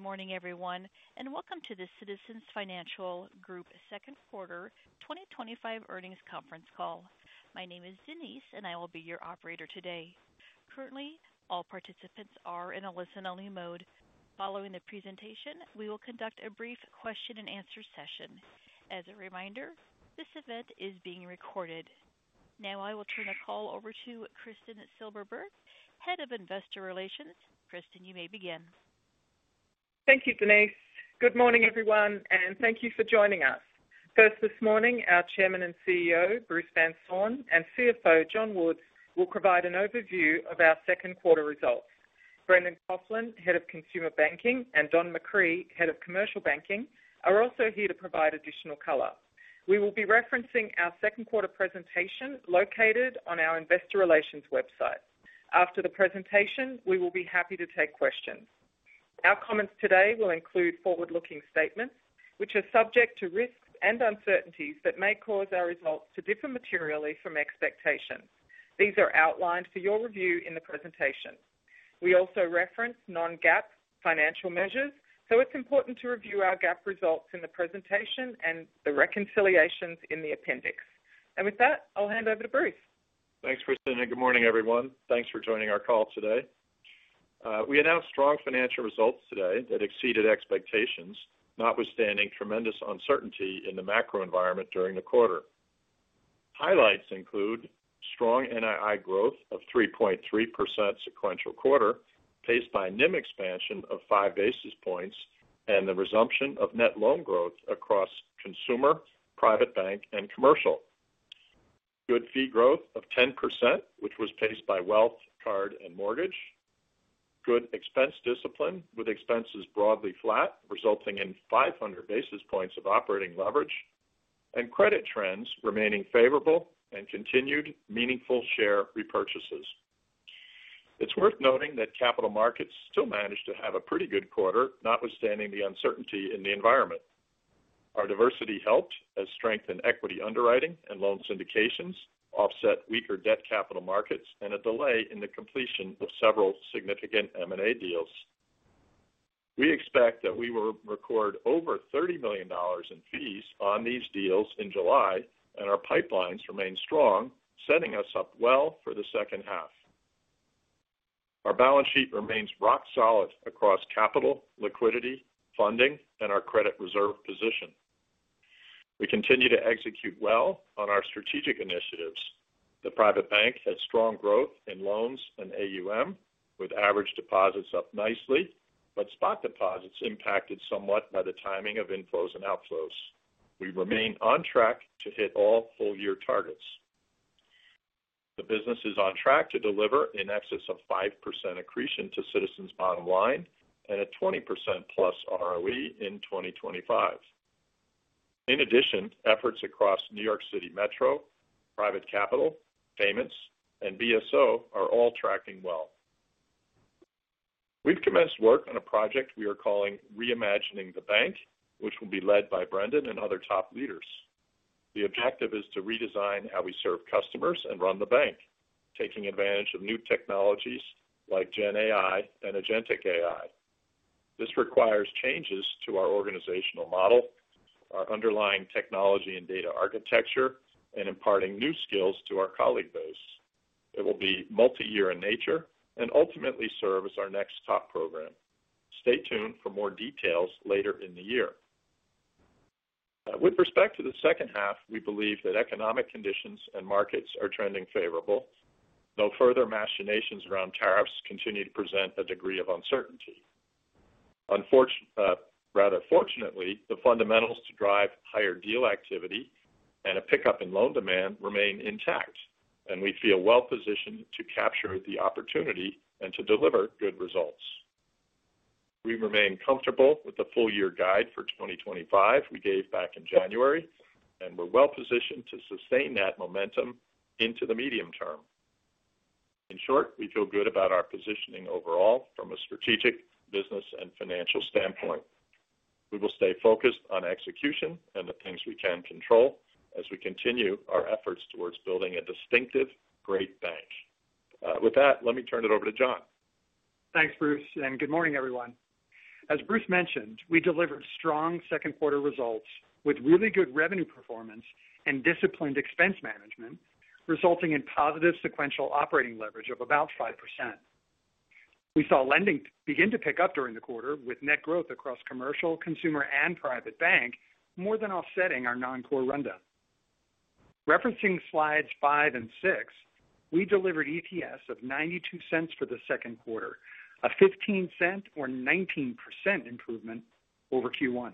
Good morning, everyone, and welcome to the Citizens Financial Group second quarter 2025 earnings conference call. My name is Denise, and I will be your operator today. Currently, all participants are in a listen-only mode. Following the presentation, we will conduct a brief question-and-answer session. As a reminder, this event is being recorded. Now, I will turn the call over to Kristin Silberberg, head of investor relations. Kristin, you may begin. Thank you, Denise. Good morning, everyone, and thank you for joining us. First, this morning, our Chairman and CEO, Bruce Van Saun, and CFO, John Woods, will provide an overview of our second quarter results. Brendan Coughlin, Head of Consumer Banking, and Don McCree, Head of Commercial Banking, are also here to provide additional color. We will be referencing our second quarter presentation located on our investor relations website. After the presentation, we will be happy to take questions. Our comments today will include forward-looking statements, which are subject to risks and uncertainties that may cause our results to differ materially from expectations. These are outlined for your review in the presentation. We also reference non-GAAP financial measures, so it's important to review our GAAP results in the presentation and the reconciliations in the appendix. And with that, I'll hand over to Bruce. Thanks, Kristin, and good morning, everyone. Thanks for joining our call today. We announced strong financial results today that exceeded expectations, notwithstanding tremendous uncertainty in the macro environment during the quarter. Highlights include strong NII growth of 3.3% sequential quarter, paced by NIM expansion of five basis points and the resumption of net loan growth across consumer, private bank, and commercial. Good fee growth of 10%, which was paced by wealth, card, and mortgage. Good expense discipline, with expenses broadly flat, resulting in 500 basis points of operating leverage, and credit trends remaining favorable and continued meaningful share repurchases. It's worth noting that capital markets still managed to have a pretty good quarter, notwithstanding the uncertainty in the environment. Our diversity helped, as strength in equity underwriting and loan syndications offset weaker debt capital markets and a delay in the completion of several significant M&A deals. We expect that we will record over $30 million in fees on these deals in July, and our pipelines remain strong, setting us up well for the second half. Our balance sheet remains rock solid across capital, liquidity, funding, and our credit reserve position. We continue to execute well on our strategic initiatives. The private bank had strong growth in loans and AUM, with average deposits up nicely, but spot deposits impacted somewhat by the timing of inflows and outflows. We remain on track to hit all full-year targets. The business is on track to deliver an excess of 5% accretion to Citizens' bottom line and a 20% plus ROE in 2025. In addition, efforts across New York City Metro, private capital, payments, and BSO are all tracking well. We've commenced work on a project we are calling Reimagining the Bank, which will be led by Brendan and other top leaders. The objective is to redesign how we serve customers and run the bank, taking advantage of new technologies like GenAI and Agentic AI. This requires changes to our organizational model, our underlying technology and data architecture, and imparting new skills to our colleague base. It will be multi-year in nature and ultimately serve as our next top program. Stay tuned for more details later in the year. With respect to the second half, we believe that economic conditions and markets are trending favorable. No further machinations around tariffs continue to present a degree of uncertainty. Rather fortunately, the fundamentals to drive higher deal activity and a pickup in loan demand remain intact, and we feel well-positioned to capture the opportunity and to deliver good results. We remain comfortable with the full-year guide for 2025 we gave back in January, and we're well-positioned to sustain that momentum into the medium term. In short, we feel good about our positioning overall from a strategic business and financial standpoint. We will stay focused on execution and the things we can control as we continue our efforts towards building a distinctive great bank. With that, let me turn it over to John. Thanks, Bruce, and good morning, everyone. As Bruce mentioned, we delivered strong second quarter results with really good revenue performance and disciplined expense management, resulting in positive sequential operating leverage of about 5%. We saw lending begin to pick up during the quarter, with net growth across commercial, consumer, and private bank more than offsetting our non-core rundown. Referencing slides five and six, we delivered EPS of $0.92 for the second quarter, a $0.15 or 19% improvement over Q1.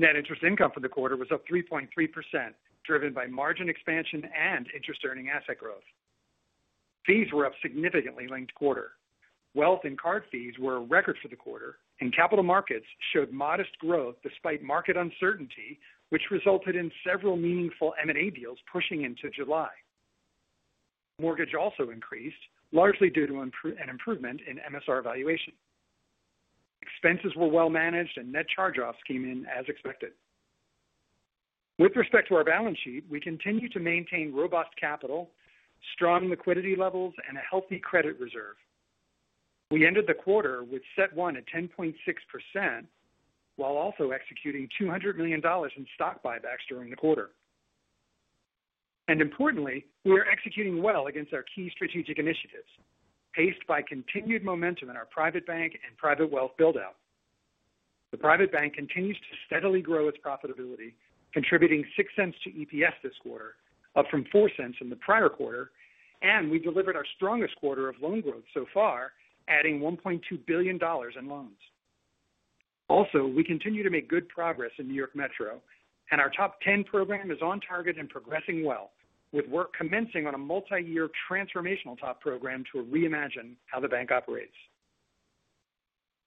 Net interest income for the quarter was up 3.3%, driven by margin expansion and interest-earning asset growth. Fees were up significantly late in the quarter. Wealth and card fees were a record for the quarter, and capital markets showed modest growth despite market uncertainty, which resulted in several meaningful M&A deals pushing into July. Mortgage also increased, largely due to an improvement in MSR valuation. Expenses were well-managed, and net charge-offs came in as expected. With respect to our balance sheet, we continue to maintain robust capital, strong liquidity levels, and a healthy credit reserve. We ended the quarter with CET1 at 10.6% while also executing $200 million in stock buybacks during the quarter, and importantly, we are executing well against our key strategic initiatives, paced by continued momentum in our private bank and private wealth buildout. The private bank continues to steadily grow its profitability, contributing $0.06 to EPS this quarter, up from $0.04 in the prior quarter, and we delivered our strongest quarter of loan growth so far, adding $1.2 billion in loans. Also, we continue to make good progress in New York Metro, and our top 10 program is on target and progressing well, with work commencing on a multi-year transformational top program to reimagine how the bank operates.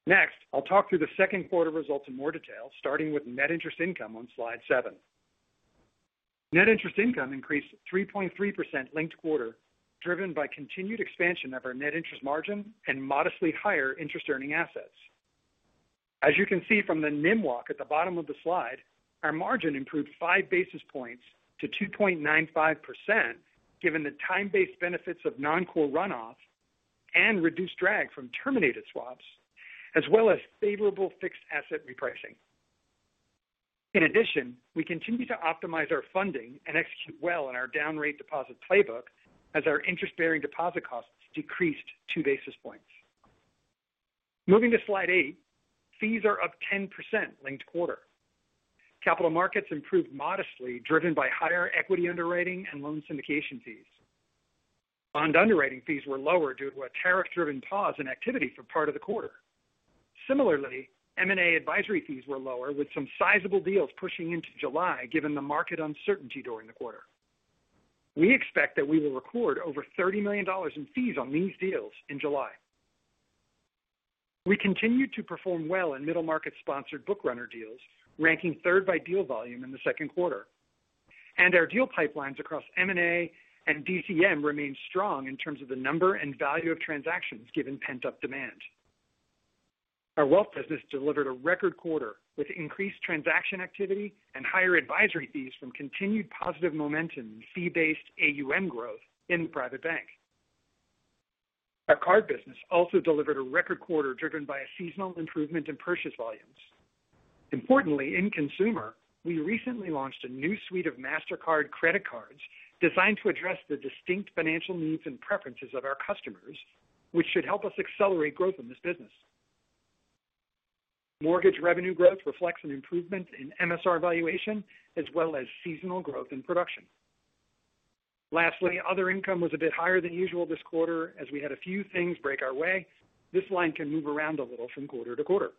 Next, I'll talk through the second quarter results in more detail, starting with net interest income on slide seven. Net interest income increased 3.3% linked quarter, driven by continued expansion of our net interest margin and modestly higher interest-earning assets. As you can see from the NIM walk at the bottom of the slide, our margin improved five basis points to 2.95%, given the time-based benefits of non-core runoff and reduced drag from terminated swaps, as well as favorable fixed asset repricing. In addition, we continue to optimize our funding and execute well in our down-rate deposit playbook as our interest-bearing deposit costs decreased two basis points. Moving to slide eight, fees are up 10% linked quarter. Capital markets improved modestly, driven by higher equity underwriting and loan syndication fees. Bond underwriting fees were lower due to a tariff-driven pause in activity for part of the quarter. Similarly, M&A advisory fees were lower, with some sizable deals pushing into July, given the market uncertainty during the quarter. We expect that we will record over $30 million in fees on these deals in July. We continue to perform well in middle market-sponsored book runner deals, ranking third by deal volume in the second quarter. Our deal pipelines across M&A and DCM remain strong in terms of the number and value of transactions, given pent-up demand. Our wealth business delivered a record quarter with increased transaction activity and higher advisory fees from continued positive momentum in fee-based AUM growth in the private bank. Our card business also delivered a record quarter, driven by a seasonal improvement in purchase volumes. Importantly, in consumer, we recently launched a new suite of MasterCard credit cards designed to address the distinct financial needs and preferences of our customers, which should help us accelerate growth in this business. Mortgage revenue growth reflects an improvement in MSR valuation, as well as seasonal growth in production. Lastly, other income was a bit higher than usual this quarter, as we had a few things break our way. This line can move around a little from quarter to quarter.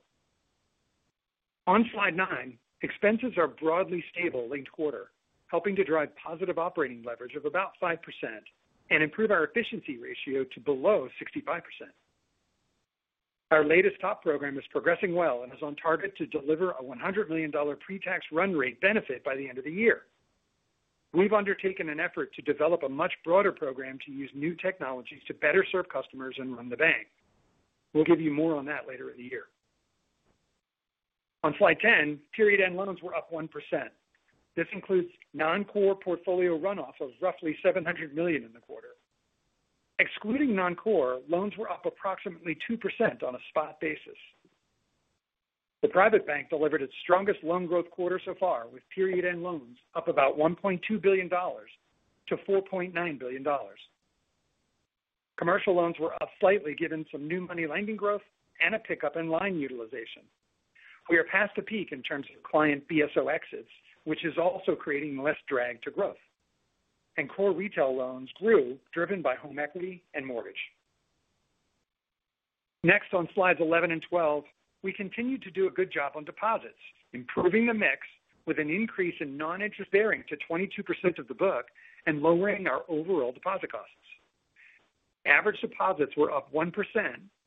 On slide nine, expenses are broadly stable linked quarter, helping to drive positive operating leverage of about 5% and improve our efficiency ratio to below 65%. Our latest top program is progressing well and is on target to deliver a $100 million pre-tax run rate benefit by the end of the year. We've undertaken an effort to develop a much broader program to use new technologies to better serve customers and run the bank. We'll give you more on that later in the year. On slide 10, period-end loans were up 1%. This includes non-core portfolio runoff of roughly $700 million in the quarter. Excluding non-core, loans were up approximately 2% on a spot basis. The private bank delivered its strongest loan growth quarter so far, with period-end loans up about $1.2 billion-$4.9 billion. Commercial loans were up slightly, given some new money lending growth and a pickup in line utilization. We are past a peak in terms of client BSO exits, which is also creating less drag to growth. Core retail loans grew, driven by home equity and mortgage. Next, on slides 11 and 12, we continue to do a good job on deposits, improving the mix with an increase in non-interest bearing to 22% of the book and lowering our overall deposit costs. Average deposits were up 1%,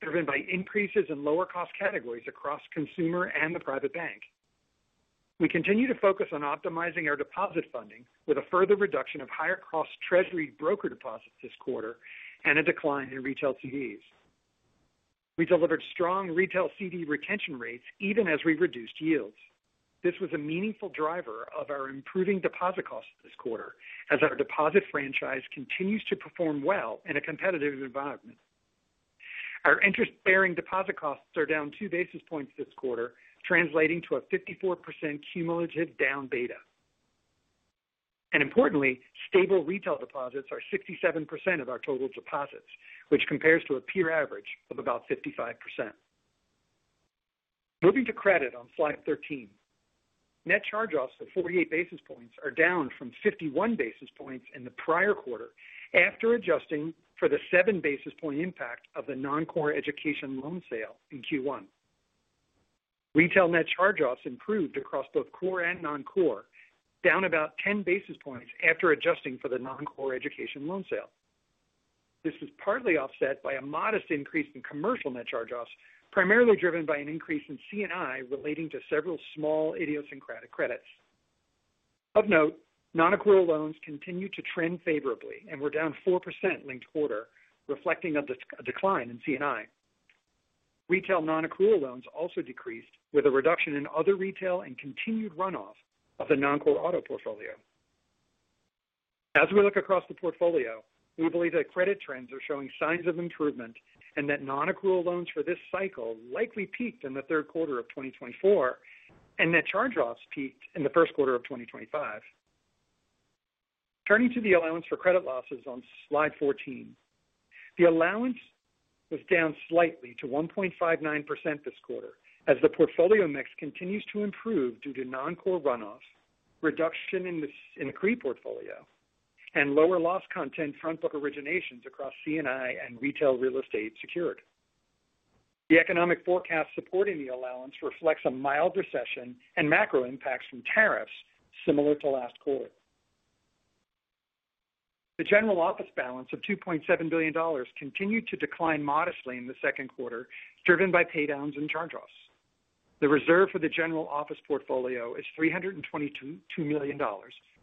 driven by increases in lower-cost categories across consumer and the private bank. We continue to focus on optimizing our deposit funding with a further reduction of higher-cost treasury broker deposits this quarter and a decline in retail CDs. We delivered strong retail CD retention rates even as we reduced yields. This was a meaningful driver of our improving deposit costs this quarter, as our deposit franchise continues to perform well in a competitive environment. Our interest-bearing deposit costs are down two basis points this quarter, translating to a 54% cumulative down beta. Importantly, stable retail deposits are 67% of our total deposits, which compares to a peer average of about 55%. Moving to credit on slide 13. Net charge-offs of 48 basis points are down from 51 basis points in the prior quarter after adjusting for the seven-basis-point impact of the non-core education loan sale in Q1. Retail net charge-offs improved across both core and non-core, down about ten basis points after adjusting for the non-core education loan sale. This was partly offset by a modest increase in commercial net charge-offs, primarily driven by an increase in C&I relating to several small idiosyncratic credits. Of note, non-accrual loans continue to trend favorably and were down 4% linked quarter, reflecting a decline in C&I. Retail non-accrual loans also decreased, with a reduction in other retail and continued runoff of the non-core auto portfolio. As we look across the portfolio, we believe that credit trends are showing signs of improvement and that non-accrual loans for this cycle likely peaked in the third quarter of 2024, and that charge-offs peaked in the first quarter of 2025. Turning to the allowance for credit losses on slide 14. The allowance was down slightly to 1.59% this quarter, as the portfolio mix continues to improve due to non-core runoff, reduction in the CRE portfolio, and lower loss content front-book originations across C&I and retail real estate secured. The economic forecast supporting the allowance reflects a mild recession and macro impacts from tariffs similar to last quarter. The general office balance of $2.7 billion continued to decline modestly in the second quarter, driven by paydowns and charge-offs. The reserve for the general office portfolio is $322 million,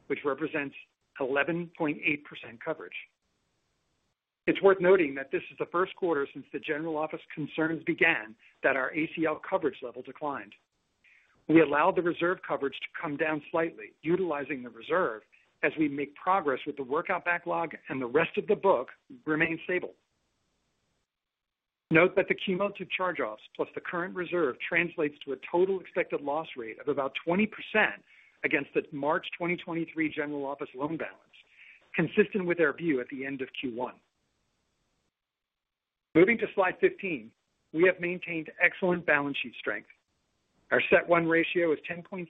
which represents 11.8% coverage. It's worth noting that this is the first quarter since the general office concerns began that our ACL coverage level declined. We allowed the reserve coverage to come down slightly, utilizing the reserve as we make progress with the workout backlog, and the rest of the book remains stable. Note that the cumulative charge-offs plus the current reserve translates to a total expected loss rate of about 20% against the March 2023 general office loan balance, consistent with our view at the end of Q1. Moving to slide 15, we have maintained excellent balance sheet strength. Our CET1 ratio is 10.6%.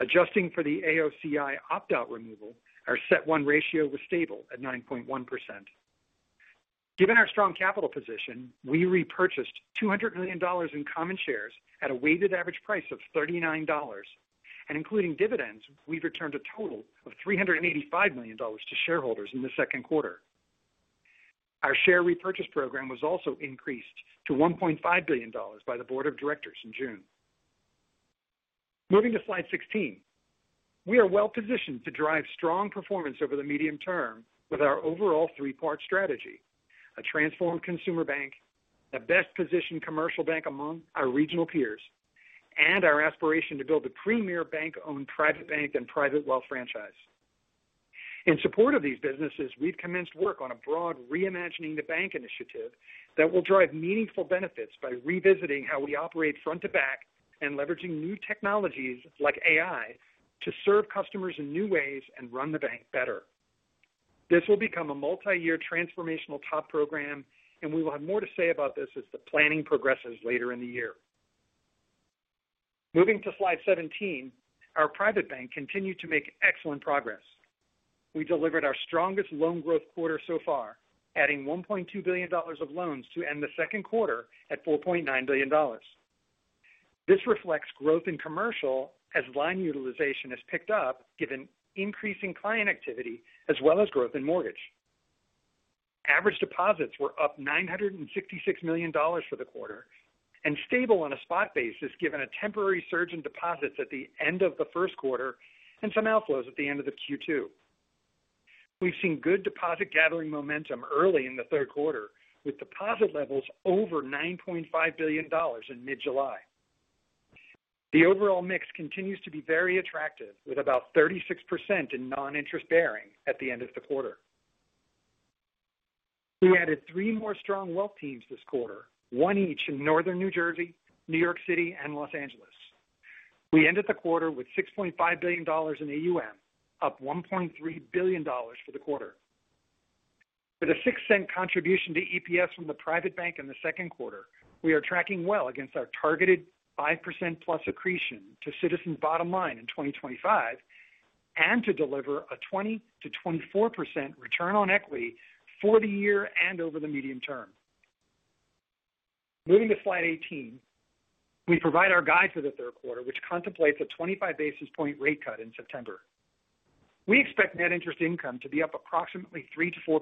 Adjusting for the AOCI opt-out removal, our CET1 ratio was stable at 9.1%. Given our strong capital position, we repurchased $200 million in common shares at a weighted average price of $39, and including dividends, we've returned a total of $385 million to shareholders in the second quarter. Our share repurchase program was also increased to $1.5 billion by the board of directors in June. Moving to slide 16. We are well-positioned to drive strong performance over the medium term with our overall three-part strategy: a transformed consumer bank, a best-positioned commercial bank among our regional peers, and our aspiration to build a premier bank-owned private bank and private wealth franchise. In support of these businesses, we've commenced work on a broad reimagining the bank initiative that will drive meaningful benefits by revisiting how we operate front to back and leveraging new technologies like AI to serve customers in new ways and run the bank better. This will become a multi-year transformational top program, and we will have more to say about this as the planning progresses later in the year. Moving to slide 17, our private bank continued to make excellent progress. We delivered our strongest loan growth quarter so far, adding $1.2 billion of loans to end the second quarter at $4.9 billion. This reflects growth in commercial and line utilization has picked up, given increasing client activity as well as growth in mortgage. Average deposits were up $966 million for the quarter and stable on a spot basis, given a temporary surge in deposits at the end of the first quarter and some outflows at the end of Q2. We've seen good deposit gathering momentum early in the third quarter, with deposit levels over $9.5 billion in mid-July. The overall mix continues to be very attractive, with about 36% in non-interest bearing at the end of the quarter. We added three more strong wealth teams this quarter, one each in Northern New Jersey, New York City, and Los Angeles. We ended the quarter with $6.5 billion in AUM, up $1.3 billion for the quarter. With a $0.06 contribution to EPS from the private bank in the second quarter, we are tracking well against our targeted 5% plus accretion to Citizens' bottom line in 2025 and to deliver a 20%-24% return on equity for the year and over the medium term. Moving to slide 18. We provide our guide for the third quarter, which contemplates a 25 basis points rate cut in September. We expect net interest income to be up approximately 3%-4%,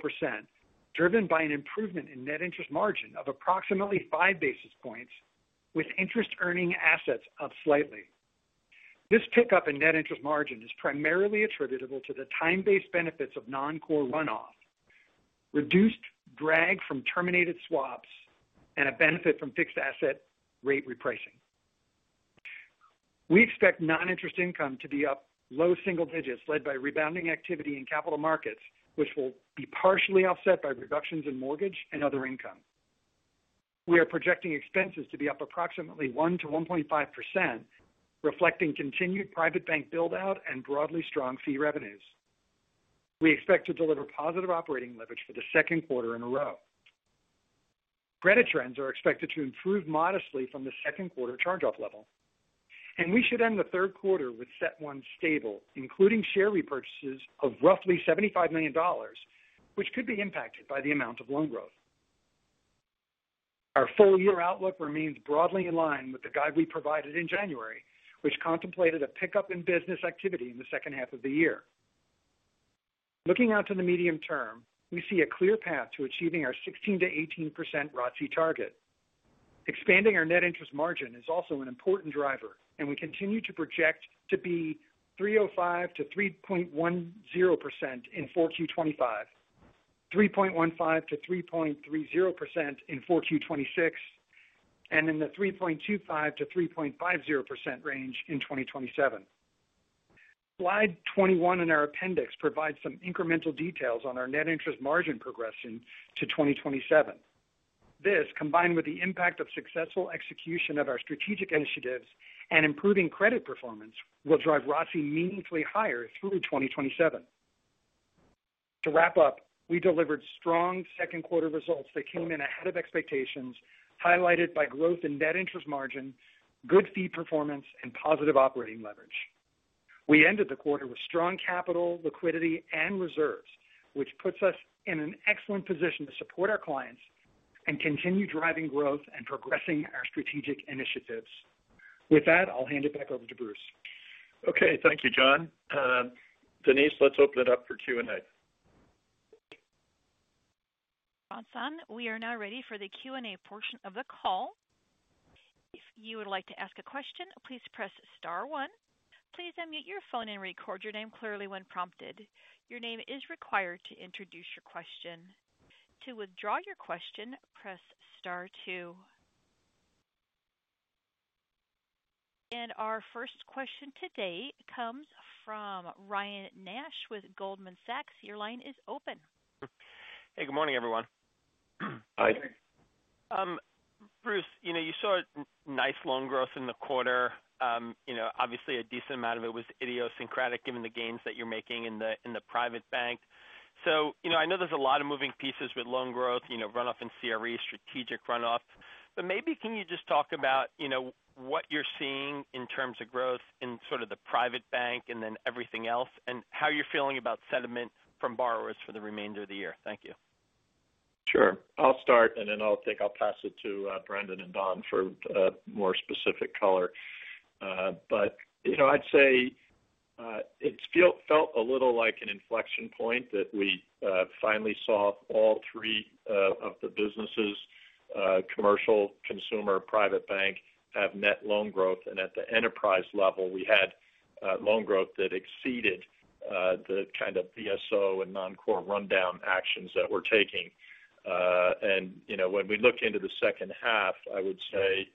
driven by an improvement in net interest margin of approximately 5 basis points, with interest-earning assets up slightly. This pickup in net interest margin is primarily attributable to the time-based benefits of non-core runoff, reduced drag from terminated swaps, and a benefit from fixed-rate asset repricing. We expect non-interest income to be up low single digits, led by rebounding activity in capital markets, which will be partially offset by reductions in mortgage and other income. We are projecting expenses to be up approximately 1%-1.5%, reflecting continued private bank buildout and broadly strong fee revenues. We expect to deliver positive operating leverage for the second quarter in a row. Credit trends are expected to improve modestly from the second quarter charge-off level, and we should end the third quarter with CET1 stable, including share repurchases of roughly $75 million, which could be impacted by the amount of loan growth. Our full year outlook remains broadly in line with the guide we provided in January, which contemplated a pickup in business activity in the second half of the year. Looking out to the medium term, we see a clear path to achieving our 16%-18% ROTCE target. Expanding our net interest margin is also an important driver, and we continue to project to be 3.05%-3.10% in 4Q25, 3.15%-3.30% in 4Q26, and in the 3.25%-3.50% range in 2027. Slide 21 in our appendix provides some incremental details on our net interest margin progression to 2027. This, combined with the impact of successful execution of our strategic initiatives and improving credit performance, will drive ROTCE meaningfully higher through 2027. To wrap up, we delivered strong second quarter results that came in ahead of expectations, highlighted by growth in net interest margin, good fee performance, and positive operating leverage. We ended the quarter with strong capital, liquidity, and reserves, which puts us in an excellent position to support our clients and continue driving growth and progressing our strategic initiatives. With that, I'll hand it back over to Bruce. Okay. Thank you, John. Denise, let's open it up for Q&A. This is Denise. We are now ready for the Q&A portion of the call. If you would like to ask a question, please press star one. Please unmute your phone and record your name clearly when prompted. Your name is required to introduce your question. To withdraw your question, press star two. And our first question today comes from Ryan Nash with Goldman Sachs. Your line is open. Hey. Good morning, everyone. Hi. Bruce, you saw nice loan growth in the quarter. Obviously, a decent amount of it was idiosyncratic, given the gains that you're making in the private bank. So I know there's a lot of moving parts with loan growth, runoff in CRE, strategic runoff. But maybe can you just talk about what you're seeing in terms of growth in sort of the private bank and then everything else, and how you're feeling about sentiment from borrowers for the remainder of the year? Thank you. Sure. I'll start, and then I'll pass it to Brendan and Don for more specific color. But I'd say it felt a little like an inflection point that we finally saw all three of the businesses, commercial, consumer, private bank, have net loan growth. And at the enterprise level, we had loan growth that exceeded the kind of BSO and non-core rundown actions that we're taking. And when we look into the second half, I would say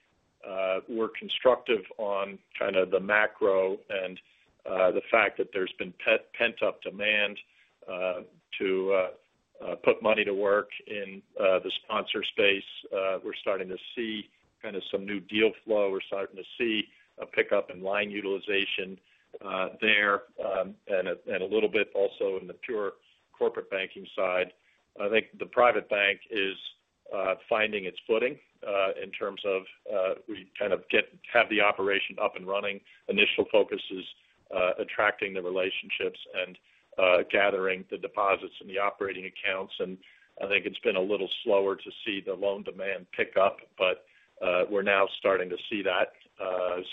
we're constructive on kind of the macro and the fact that there's been pent-up demand to put money to work in the sponsor space. We're starting to see kind of some new deal flow. We're starting to see a pickup in line utilization there and a little bit also in the pure corporate banking side. I think the private bank is finding its footing in terms of we kind of have the operation up and running. Initial focus is attracting the relationships and gathering the deposits and the operating accounts. And I think it's been a little slower to see the loan demand pick up, but we're now starting to see that.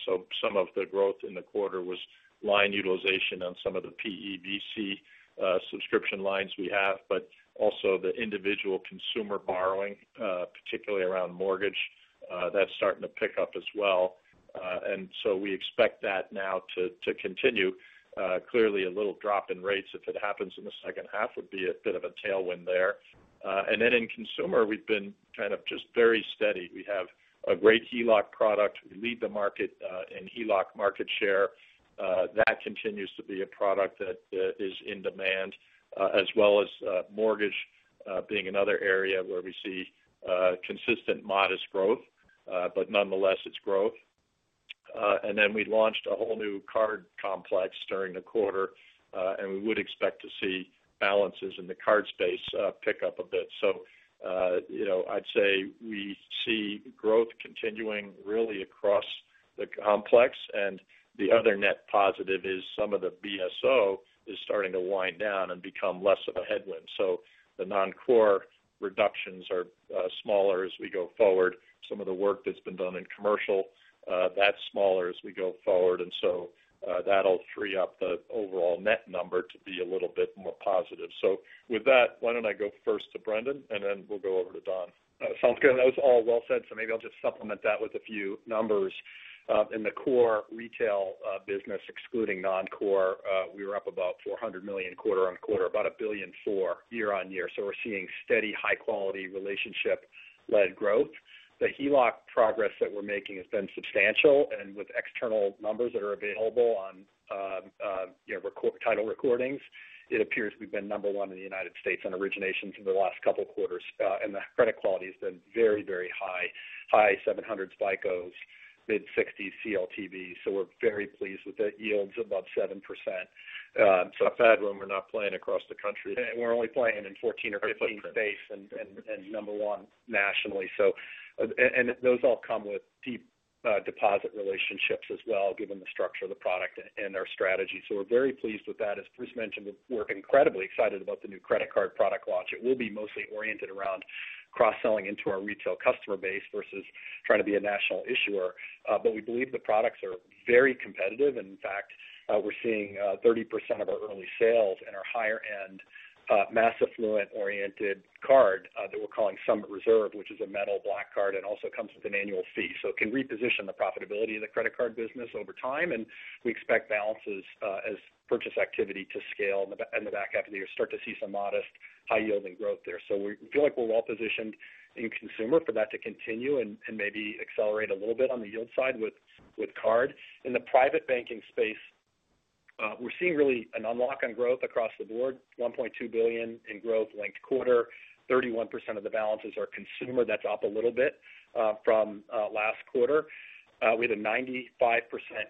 So some of the growth in the quarter was line utilization on some of the PEVC subscription lines we have, but also the individual consumer borrowing, particularly around mortgage, that's starting to pick up as well. And so we expect that now to continue. Clearly, a little drop in rates, if it happens in the second half, would be a bit of a tailwind there. And then in consumer, we've been kind of just very steady. We have a great HELOC product. We lead the market in HELOC market share. That continues to be a product that is in demand, as well as mortgage being another area where we see consistent modest growth, but nonetheless, it's growth. And then we launched a whole new card complex during the quarter, and we would expect to see balances in the card space pick up a bit. So, I'd say we see growth continuing really across the complex. And the other net positive is some of the BSO is starting to wind down and become less of a headwind. So the non-core reductions are smaller as we go forward. Some of the work that's been done in commercial, that's smaller as we go forward. And so that'll free up the overall net number to be a little bit more positive. So with that, why don't I go first to Brendan, and then we'll go over to Don? Sounds good. That was all well said. So maybe I'll just supplement that with a few numbers. In the core retail business, excluding non-core, we were up about $400 million quarter on quarter, about $1.4 billion year on year. So we're seeing steady, high-quality relationship-led growth. The HELOC progress that we're making has been substantial. And with external numbers that are available on title recordings, it appears we've been number one in the United States on originations in the last couple of quarters. And the credit quality has been very, very high. High 700s by FICO, mid-60s CLTVs. So we're very pleased with it. Yields above 7%. So even when we're not playing across the country. We're only playing in 14 or 15 states and number one nationally. And those all come with deep deposit relationships as well, given the structure of the product and our strategy. So we're very pleased with that. As Bruce mentioned, we're incredibly excited about the new credit card product launch. It will be mostly oriented around cross-selling into our retail customer base versus trying to be a national issuer. But we believe the products are very competitive. And in fact, we're seeing 30% of our early sales in our higher-end mass affluent-oriented card that we're calling Summit Reserve, which is a metal black card and also comes with an annual fee. So it can reposition the profitability of the credit card business over time. We expect balances as purchase activity to scale in the back half of the year, start to see some modest high-yielding growth there. So we feel like we're well-positioned in consumer for that to continue and maybe accelerate a little bit on the yield side with card. In the private banking space, we're seeing really an unlock on growth across the board, $1.2 billion in growth linked quarter. 31% of the balances are consumer. That's up a little bit from last quarter. We had a 95%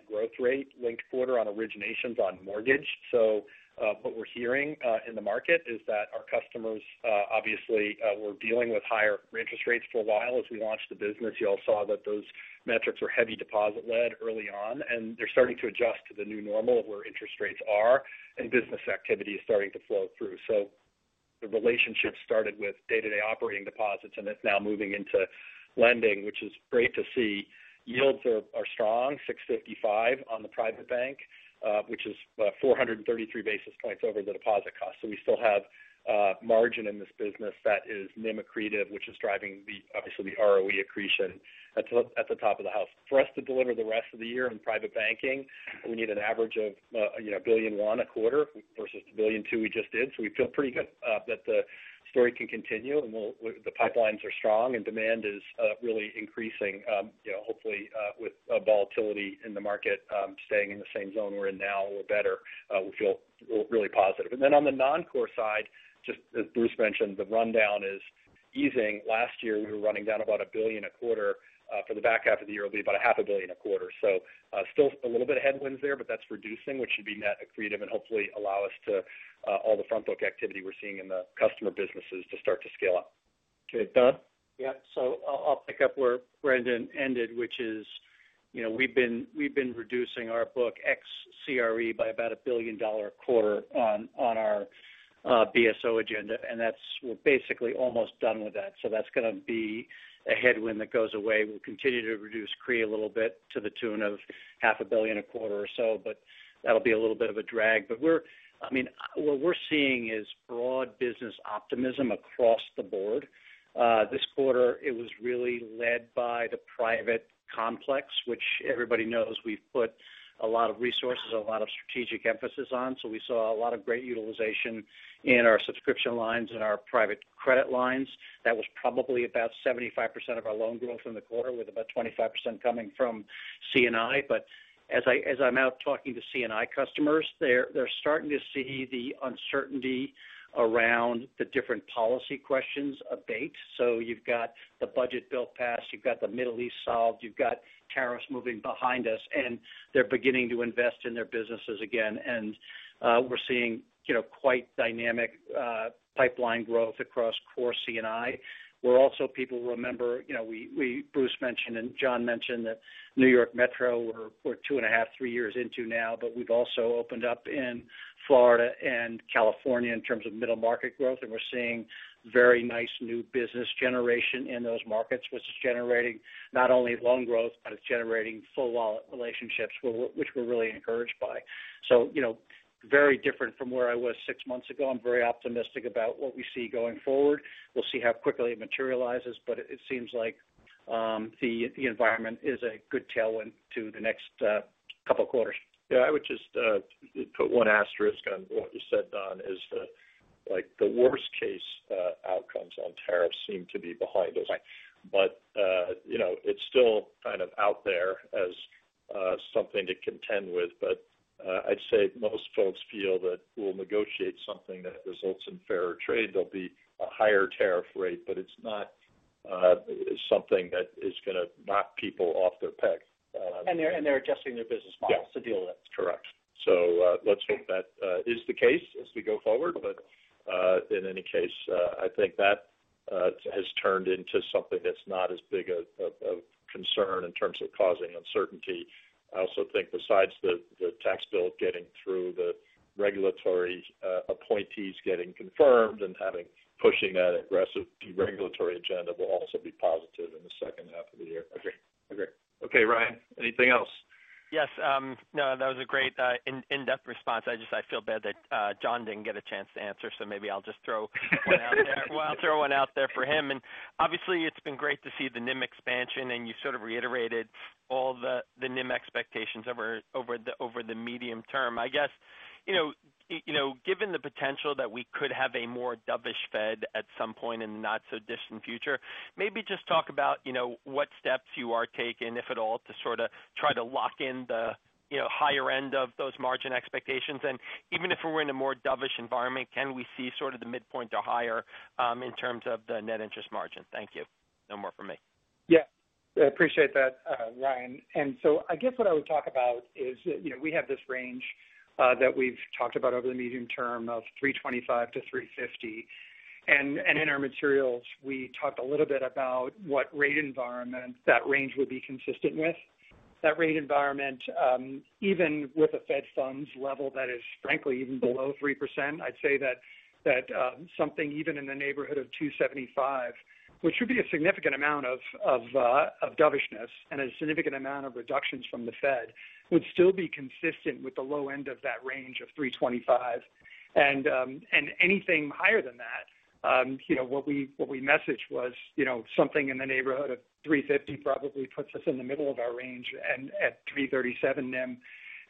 growth rate linked quarter on originations on mortgage. So what we're hearing in the market is that our customers, obviously, were dealing with higher interest rates for a while as we launched the business. You all saw that those metrics were heavy deposit-led early on, and they're starting to adjust to the new normal of where interest rates are and business activity is starting to flow through. So the relationship started with day-to-day operating deposits, and it's now moving into lending, which is great to see. Yields are strong, 655 on the private bank, which is 433 basis points over the deposit cost. So we still have margin in this business that is NIM accretive, which is driving obviously the ROE accretion at the top of the house. For us to deliver the rest of the year in private banking, we need an average of $1.1 billion a quarter versus the $1.2 billion we just did. So we feel pretty good that the story can continue. The pipelines are strong, and demand is really increasing, hopefully with volatility in the market staying in the same zone we're in now or better. We feel really positive. On the non-core side, just as Bruce mentioned, the rundown is easing. Last year, we were running down about $1 billion a quarter. For the back half of the year, it'll be about $500 million a quarter. So still a little bit of headwinds there, but that's reducing, which should be net accretive and hopefully allow us to all the front-book activity we're seeing in the customer businesses to start to scale up. Okay. Don? Yeah. So I'll pick up where Brendan ended, which is we've been reducing our book ex CRE by about $1 billion a quarter on our BSO agenda. We're basically almost done with that. So that's going to be a headwind that goes away. We'll continue to reduce CRE a little bit to the tune of $500 million a quarter or so, but that'll be a little bit of a drag. But I mean, what we're seeing is broad business optimism across the board. This quarter, it was really led by the private complex, which everybody knows we've put a lot of resources, a lot of strategic emphasis on. So we saw a lot of great utilization in our subscription lines and our private credit lines. That was probably about 75% of our loan growth in the quarter, with about 25% coming from C&I. But as I'm out talking to C&I customers, they're starting to see the uncertainty around the different policy questions abate. So you've got the budget bill passed. You've got the Middle East solved. You've got tariffs moving behind us, and they're beginning to invest in their businesses again. And we're seeing quite dynamic pipeline growth across core C&I. We're also people remember. Bruce mentioned and John mentioned that New York Metro, we're two and a half, three years into now, but we've also opened up in Florida and California in terms of middle market growth. And we're seeing very nice new business generation in those markets, which is generating not only loan growth, but it's generating full wallet relationships, which we're really encouraged by. So. Very different from where I was six months ago. I'm very optimistic about what we see going forward. We'll see how quickly it materializes, but it seems like. The environment is a good tailwind to the next couple of quarters. Yeah. I would just. Put one asterisk on what you said, Don, is the. Worst-case outcomes on tariffs seem to be behind us. But. It's still kind of out there as something to contend with. But I'd say most folks feel that we'll negotiate something that results in fair trade. There'll be a higher tariff rate, but it's not. Something that is going to knock people off their peg. And they're adjusting their business models to deal with it. Correct. So let's hope that is the case as we go forward. But. In any case, I think that. Has turned into something that's not as big of a concern in terms of causing uncertainty. I also think besides the tax bill getting through, the regulatory appointees getting confirmed and pushing that aggressive regulatory agenda will also be positive in the second half of the year. Agreed. Agreed. Okay, Ryan, anything else? Yes. No, that was a great in-depth response. I feel bad that John didn't get a chance to answer, so maybe I'll just throw one out there. Well, I'll throw one out there for him. And obviously, it's been great to see the NIM expansion, and you sort of reiterated all the NIM expectations over the medium term. I guess. Given the potential that we could have a more dovish Fed at some point in the not-so-distant future, maybe just talk about what steps you are taking, if at all, to sort of try to lock in the higher end of those margin expectations. And even if we're in a more dovish environment, can we see sort of the midpoint or higher in terms of the net interest margin? Thank you. No more from me. Yeah. I appreciate that, Ryan. And so I guess what I would talk about is that we have this range that we've talked about over the medium term of 325-350. And in our materials, we talked a little bit about what rate environment that range would be consistent with. That rate environment. Even with a Fed funds level that is, frankly, even below 3%, I'd say that. Something even in the neighborhood of 275, which would be a significant amount of. Dovishness and a significant amount of reductions from the Fed, would still be consistent with the low end of that range of 325. And anything higher than that. What we messaged was something in the neighborhood of 350 probably puts us in the middle of our range at 337 NIM.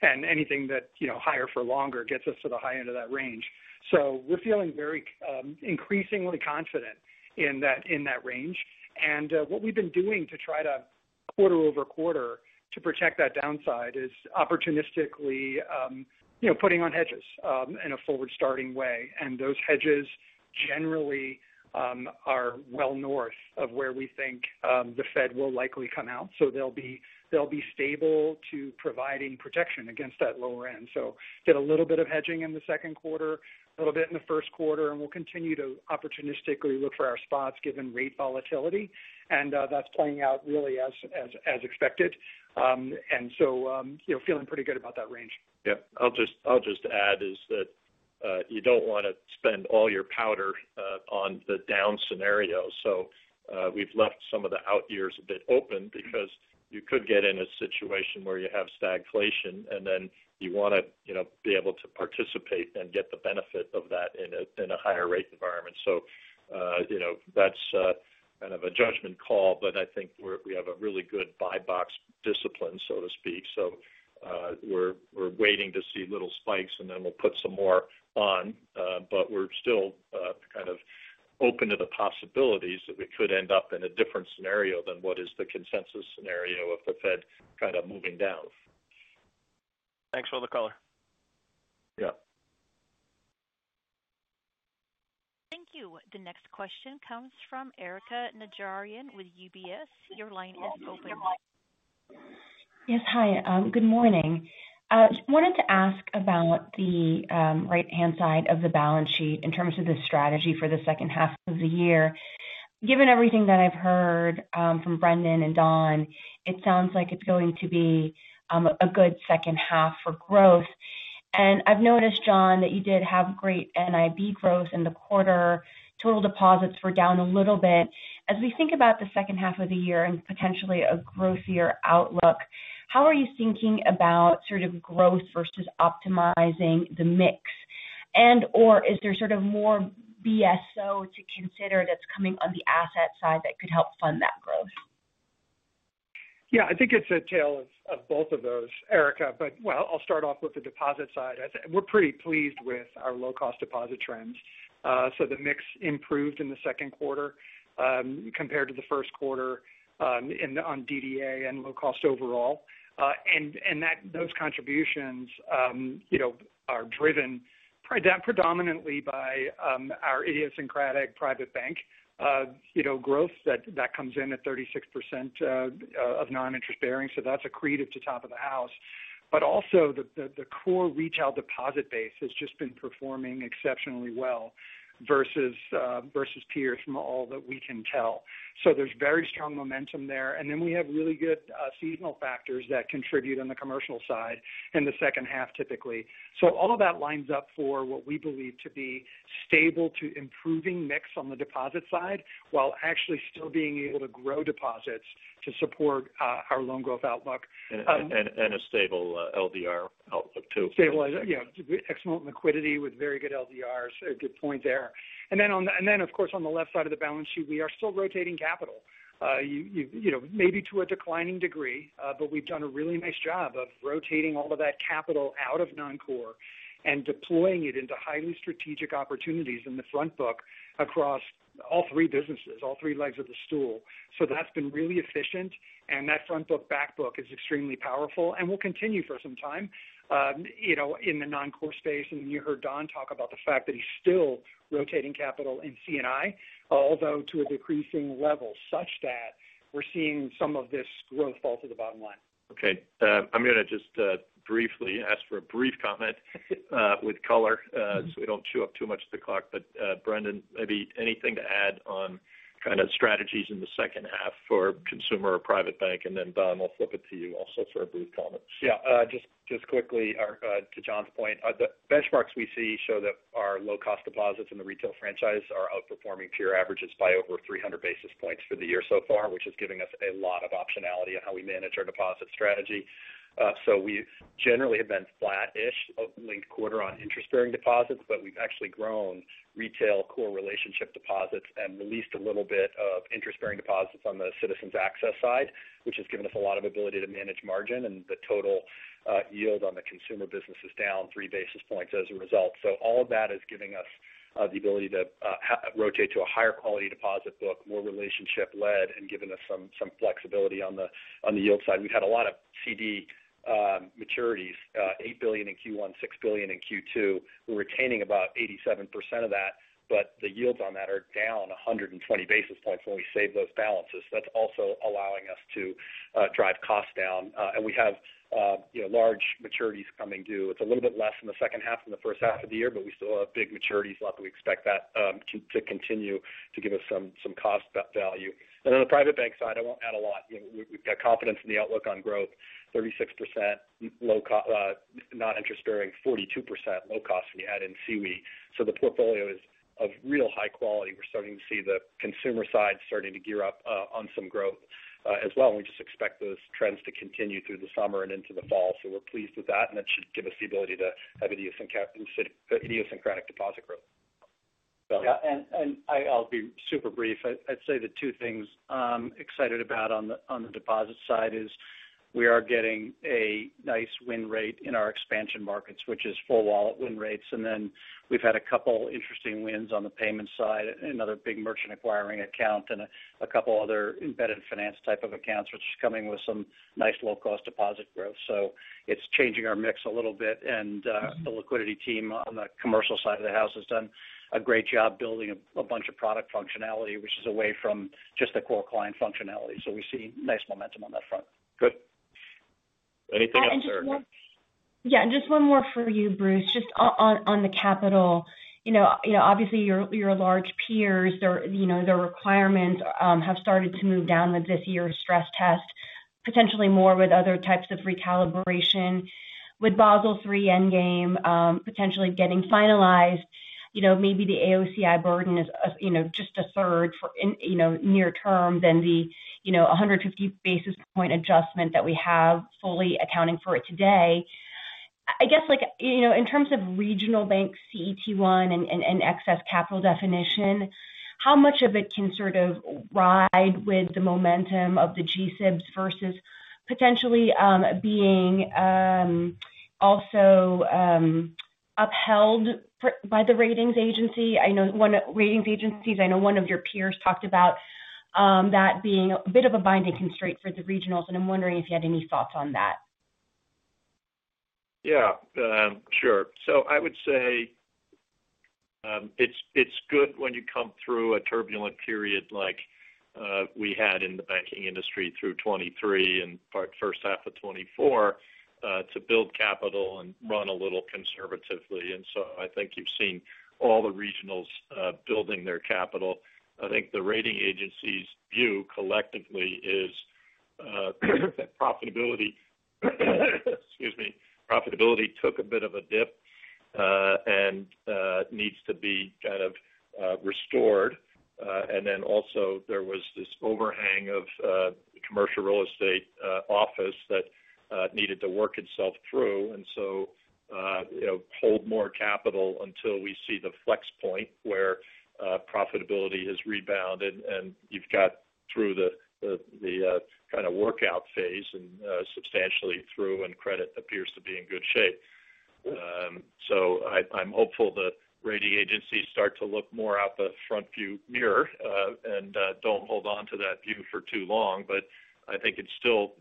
And anything that higher for longer gets us to the high end of that range. So we're feeling very increasingly confident in that range. And what we've been doing to try to quarter-over-quarter to protect that downside is opportunistically. Putting on hedges in a forward-starting way. And those hedges generally. Are well north of where we think the Fed will likely come out. So they'll be stable to providing protection against that lower end. So did a little bit of hedging in the second quarter, a little bit in the first quarter, and we'll continue to opportunistically look for our spots given rate volatility. And that's playing out really as expected. And so feeling pretty good about that range. Yeah. I'll just add is that. You don't want to spend all your powder on the down scenario. So we've left some of the out years a bit open because you could get in a situation where you have stagflation, and then you want to be able to participate and get the benefit of that in a higher rate environment. So, that's kind of a judgment call, but I think we have a really good buy box discipline, so to speak. So, we're waiting to see little spikes, and then we'll put some more on. But we're still kind of open to the possibilities that we could end up in a different scenario than what is the consensus scenario of the Fed kind of moving down. Thanks for the color. Yeah. Thank you. The next question comes from Erika Najarian with UBS. Your line is open. Yes, hi. Good morning. I wanted to ask about the. Right-hand side of the balance sheet in terms of the strategy for the second half of the year. Given everything that I've heard from Brendan and Don, it sounds like it's going to be a good second half for growth. And I've noticed, John, that you did have great NII growth in the quarter. Total deposits were down a little bit. As we think about the second half of the year and potentially a growth year outlook, how are you thinking about sort of growth versus optimizing the mix? And/or is there sort of more BSO to consider that's coming on the asset side that could help fund that growth? Yeah. I think it's a tale of both of those, Erika. But well, I'll start off with the deposit side. We're pretty pleased with our low-cost deposit trends. So the mix improved in the second quarter compared to the first quarter on DDA and low-cost overall. And those contributions are driven predominantly by our idiosyncratic private bank growth that comes in at 36% of non-interest bearing. So that's accretive to top of the house. But also the core retail deposit base has just been performing exceptionally well versus peers from all that we can tell. So there's very strong momentum there. And then we have really good seasonal factors that contribute on the commercial side in the second half typically. So all of that lines up for what we believe to be stable to improving mix on the deposit side while actually still being able to grow deposits to support our loan growth outlook. And a stable LDR outlook too. Stabilized. Yeah. Excellent liquidity with very good LDRs. A good point there. And then, of course, on the left side of the balance sheet, we are still rotating capital. Maybe to a declining degree, but we've done a really nice job of rotating all of that capital out of non-core and deploying it into highly strategic opportunities in the front book across all three businesses, all three legs of the stool. So that's been really efficient. And that front book, back book is extremely powerful and will continue for some time in the non-core space. And you heard Don talk about the fact that he's still rotating capital in C&I, although to a decreasing level such that we're seeing some of this growth fall to the bottom line. Okay. I'm going to just briefly ask for a brief comment with color so we don't chew up too much of the clock. But Brendan, maybe anything to add on kind of strategies in the second half for consumer or private bank? And then Don, we'll flip it to you also for a brief comment. Yeah. Just quickly, to John's point, the benchmarks we see show that our low-cost deposits in the retail franchise are outperforming peer averages by over 300 basis points for the year so far, which is giving us a lot of optionality on how we manage our deposit strategy. So we generally have been flat-ish linked quarter on interest-bearing deposits, but we've actually grown retail core relationship deposits and released a little bit of interest-bearing deposits on the Citizens Access side, which has given us a lot of ability to manage margin and the total yield on the consumer businesses down three basis points as a result. So all of that is giving us the ability to rotate to a higher quality deposit book, more relationship-led, and given us some flexibility on the yield side. We've had a lot of CD maturities: $8 billion in Q1, $6 billion in Q2. We're retaining about 87% of that, but the yields on that are down 120 basis points when we save those balances. That's also allowing us to drive costs down. And we have large maturities coming due. It's a little bit less in the second half than the first half of the year, but we still have big maturities left. We expect that to continue to give us some cost value. And on the private bank side, I won't add a lot. We've got confidence in the outlook on growth: 36%. Non-interest-bearing, 42% low-cost when you add in sweep. So the portfolio is of real high quality. We're starting to see the consumer side starting to gear up on some growth as well. And we just expect those trends to continue through the summer and into the fall. So we're pleased with that, and that should give us the ability to have idiosyncratic deposit growth. Yeah. And I'll be super brief. I'd say the two things I'm excited about on the deposit side is we are getting a nice win rate in our expansion markets, which is full wallet win rates. And then we've had a couple of interesting wins on the payment side, another big merchant acquiring account, and a couple of other embedded finance type of accounts, which is coming with some nice low-cost deposit growth. So it's changing our mix a little bit. And the liquidity team on the commercial side of the house has done a great job building a bunch of product functionality, which is away from just the core client functionality. So we see nice momentum on that front. Good. Anything else? Yeah. And just one more for you, Bruce, just on the capital. Obviously, your large peers. Their requirements have started to move down with this year's stress test, potentially more with other types of recalibration. With Basel III endgame potentially getting finalized, maybe the AOCI burden is just a third for near-term than the 150 basis point adjustment that we have fully accounting for it today. I guess in terms of regional bank CET1 and excess capital definition, how much of it can sort of ride with the momentum of the G-SIBs versus potentially being also upheld by the ratings agency? I know one of the ratings agencies, one of your peers talked about that being a bit of a binding constraint for the regionals. And I'm wondering if you had any thoughts on that. Yeah. Sure. So I would say it's good when you come through a turbulent period like we had in the banking industry through 2023 and first half of 2024. To build capital and run a little conservatively. And so I think you've seen all the regionals building their capital. I think the rating agencies' view collectively is that profitability. Excuse me, profitability took a bit of a dip. And needs to be kind of restored. And then also there was this overhang of commercial real estate office that needed to work itself through. And so hold more capital until we see the inflection point where profitability has rebounded. And you've got through the kind of workout phase and substantially through, and credit appears to be in good shape. So I'm hopeful the rating agencies start to look more out the front windshield and don't hold on to that view for too long. But I think it's still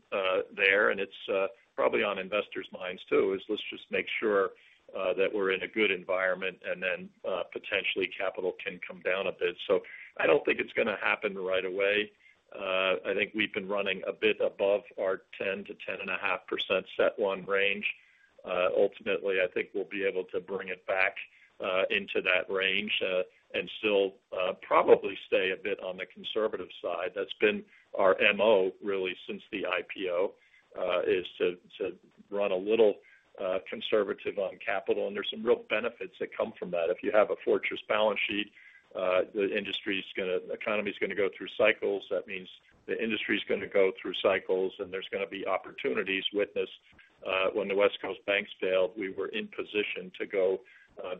there. And it's probably on investors' minds too is let's just make sure that we're in a good environment and then potentially capital can come down a bit. So I don't think it's going to happen right away. I think we've been running a bit above our 10%-10.5% CET1 range. Ultimately, I think we'll be able to bring it back into that range and still probably stay a bit on the conservative side. That's been our MO really since the IPO is to run a little conservative on capital. And there's some real benefits that come from that. If you have a fortress balance sheet, the industry's going to, the economy's going to go through cycles. That means the industry's going to go through cycles and there's going to be opportunities witnessed. When the West Coast banks failed, we were in position to go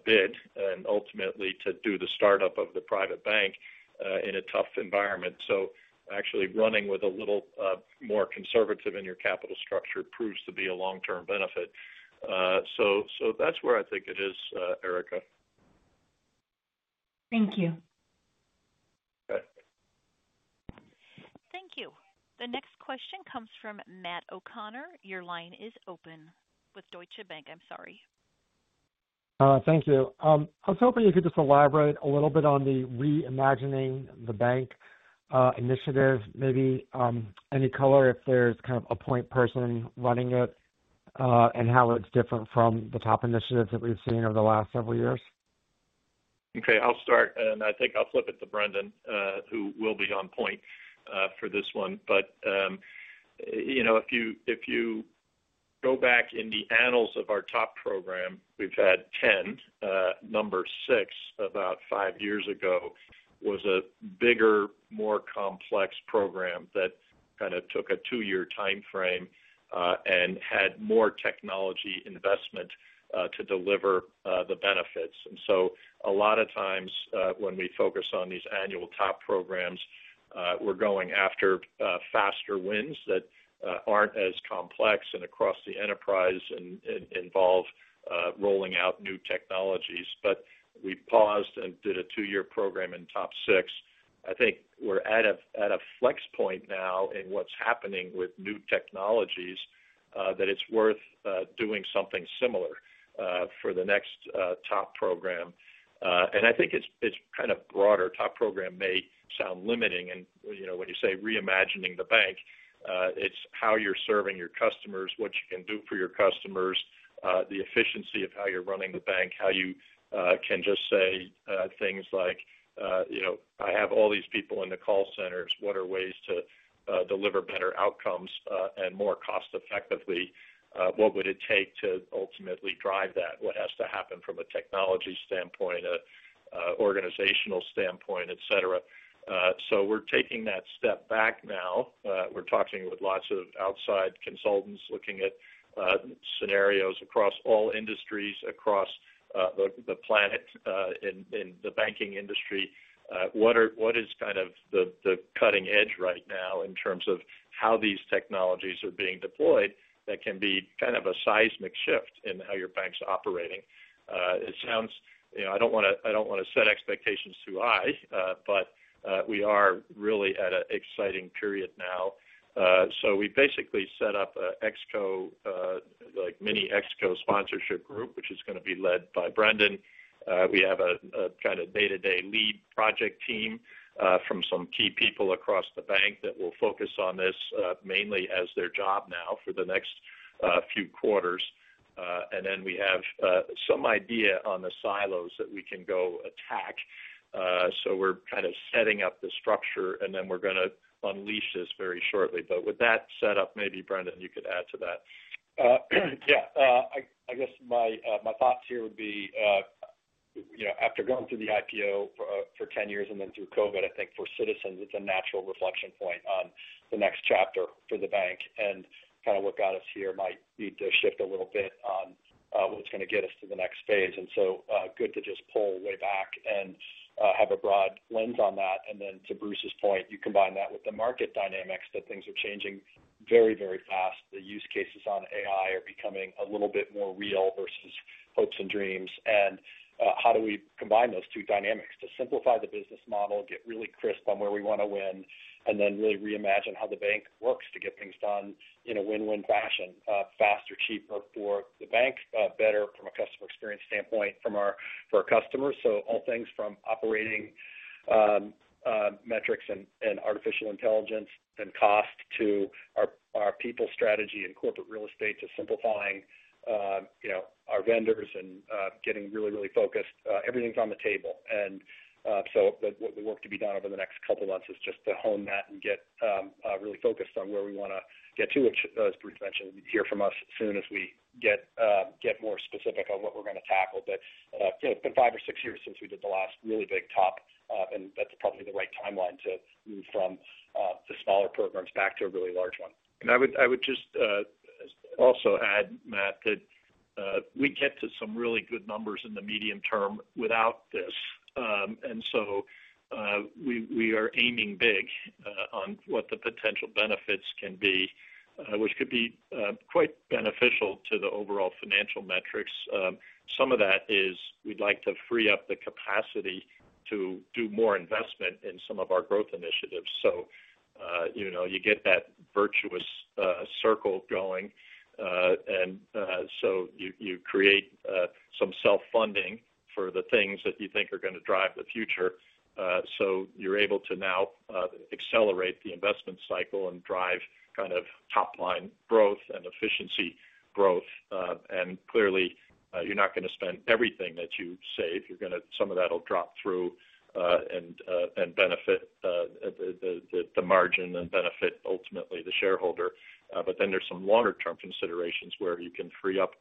bid and ultimately to do the startup of the private bank in a tough environment. So actually running with a little more conservative in your capital structure proves to be a long-term benefit. So that's where I think it is, Erika. Thank you. Thank you. The next question comes from Matt O'Connor. Your line is open with Deutsche Bank. I'm sorry. Thank you. I was hoping you could just elaborate a little bit on the Reimagining the Bank initiative. Maybe any color if there's kind of a point person running it. And how it's different from the TOP initiatives that we've seen over the last several years. Okay. I'll start, and I think I'll flip it to Brendan, who will be on point for this one. But if you go back in the annals of our TOP program, we've had 10. Number 6 about five years ago was a bigger, more complex program that kind of took a two-year timeframe and had more technology investment to deliver the benefits. And so a lot of times when we focus on these annual TOP programs, we're going after faster wins that aren't as complex and across the enterprise and involve rolling out new technologies. But we paused and did a two-year program in TOP 6. I think we're at a flex point now in what's happening with new technologies that it's worth doing something similar for the next TOP program. And I think it's kind of broader. TOP program may sound limiting. And when you say Reimagining the Bank. It's how you're serving your customers, what you can do for your customers, the efficiency of how you're running the bank, how you can just say things like, "I have all these people in the call centers. What are ways to deliver better outcomes and more cost-effectively? What would it take to ultimately drive that? What has to happen from a technology standpoint, an organizational standpoint, etc.?" So we're taking that step back now. We're talking with lots of outside consultants looking at scenarios across all industries, across the planet, in the banking industry. What is kind of the cutting edge right now in terms of how these technologies are being deployed that can be kind of a seismic shift in how your bank's operating? It sounds I don't want to set expectations too high, but we are really at an exciting period now. So we basically set up an exco mini exco sponsorship group, which is going to be led by Brendan. We have a kind of day-to-day lead project team from some key people across the bank that will focus on this mainly as their job now for the next few quarters. And then we have some idea on the silos that we can go attack. So we're kind of setting up the structure, and then we're going to unleash this very shortly. But with that setup, maybe Brendan, you could add to that. Yeah. I guess my thoughts here would be, after going through the IPO for 10 years and then through COVID, I think for Citizens, it's a natural reflection point on the next chapter for the bank. And kind of what got us here might need to shift a little bit on what's going to get us to the next phase. And so good to just pull way back and have a broad lens on that. And then to Bruce's point, you combine that with the market dynamics that things are changing very, very fast. The use cases on AI are becoming a little bit more real versus hopes and dreams. And how do we combine those two dynamics to simplify the business model, get really crisp on where we want to win, and then really reimagine how the bank works to get things done in a win-win fashion: faster, cheaper for the bank, better from a customer experience standpoint for our customers? So all things from operating metrics and artificial intelligence and cost to our people strategy and corporate real estate to simplifying our vendors and getting really, really focused. Everything's on the table. And so the work to be done over the next couple of months is just to hone that and get really focused on where we want to get to, which, as Bruce mentioned, you can hear from us as soon as we get more specific on what we're going to tackle. But it's been five or six years since we did the last really big top, and that's probably the right timeline to move from the smaller programs back to a really large one. And I would just also add, Matt, that we get to some really good numbers in the medium term without this. And so we are aiming big on what the potential benefits can be, which could be quite beneficial to the overall financial metrics. Some of that is we'd like to free up the capacity to do more investment in some of our growth initiatives. So you get that virtuous circle going. And so you create some self-funding for the things that you think are going to drive the future. So you're able to now accelerate the investment cycle and drive kind of top-line growth and efficiency growth. And clearly, you're not going to spend everything that you save. Some of that will drop through and benefit the margin and benefit ultimately the shareholder. But then there's some longer-term considerations where you can free up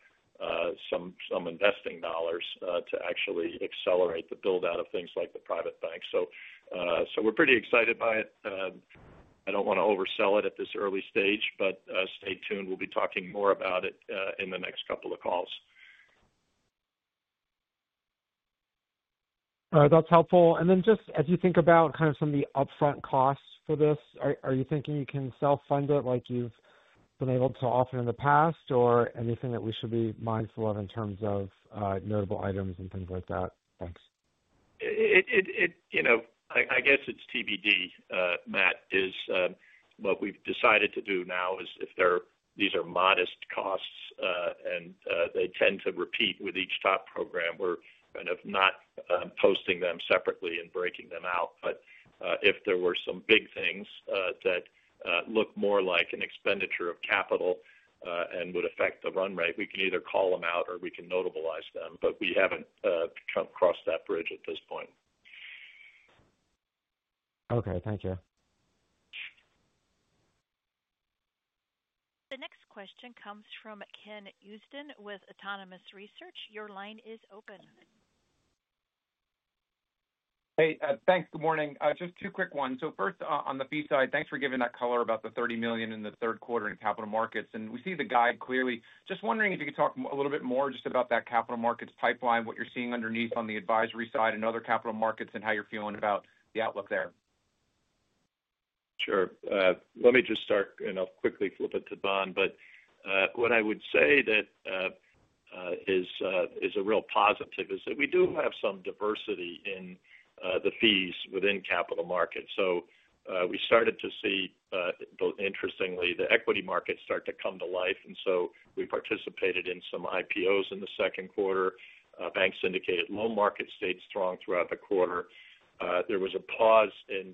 some investing dollars to actually accelerate the build-out of things like the private bank. So we're pretty excited by it. I don't want to oversell it at this early stage, but stay tuned. We'll be talking more about it in the next couple of calls. That's helpful. And then just as you think about kind of some of the upfront costs for this, are you thinking you can self-fund it like you've been able to offer in the past, or anything that we should be mindful of in terms of notable items and things like that? Thanks. I guess it's TBD, Matt. What we've decided to do now is if these are modest costs and they tend to repeat with each top program, we're kind of not posting them separately and breaking them out. But if there were some big things that look more like an expenditure of capital and would affect the run rate, we can either call them out or we can notabilize them. But we haven't come across that bridge at this point. Okay. Thank you. The next question comes from Ken Houston with Autonomous Research. Your line is open. Hey, thanks. Good morning. Just two quick ones. So first, on the fee side, thanks for giving that color about the $30 million in the third quarter in capital markets. And we see the guide clearly. Just wondering if you could talk a little bit more just about that capital markets pipeline, what you're seeing underneath on the advisory side and other capital markets and how you're feeling about the outlook there. Sure. Let me just start and I'll quickly flip it to Don. But what I would say that is a real positive is that we do have some diversity in the fees within capital markets. So we started to see interestingly the equity markets start to come to life. And so we participated in some IPOs in the second quarter. The bank syndicated loan market stayed strong throughout the quarter. There was a pause in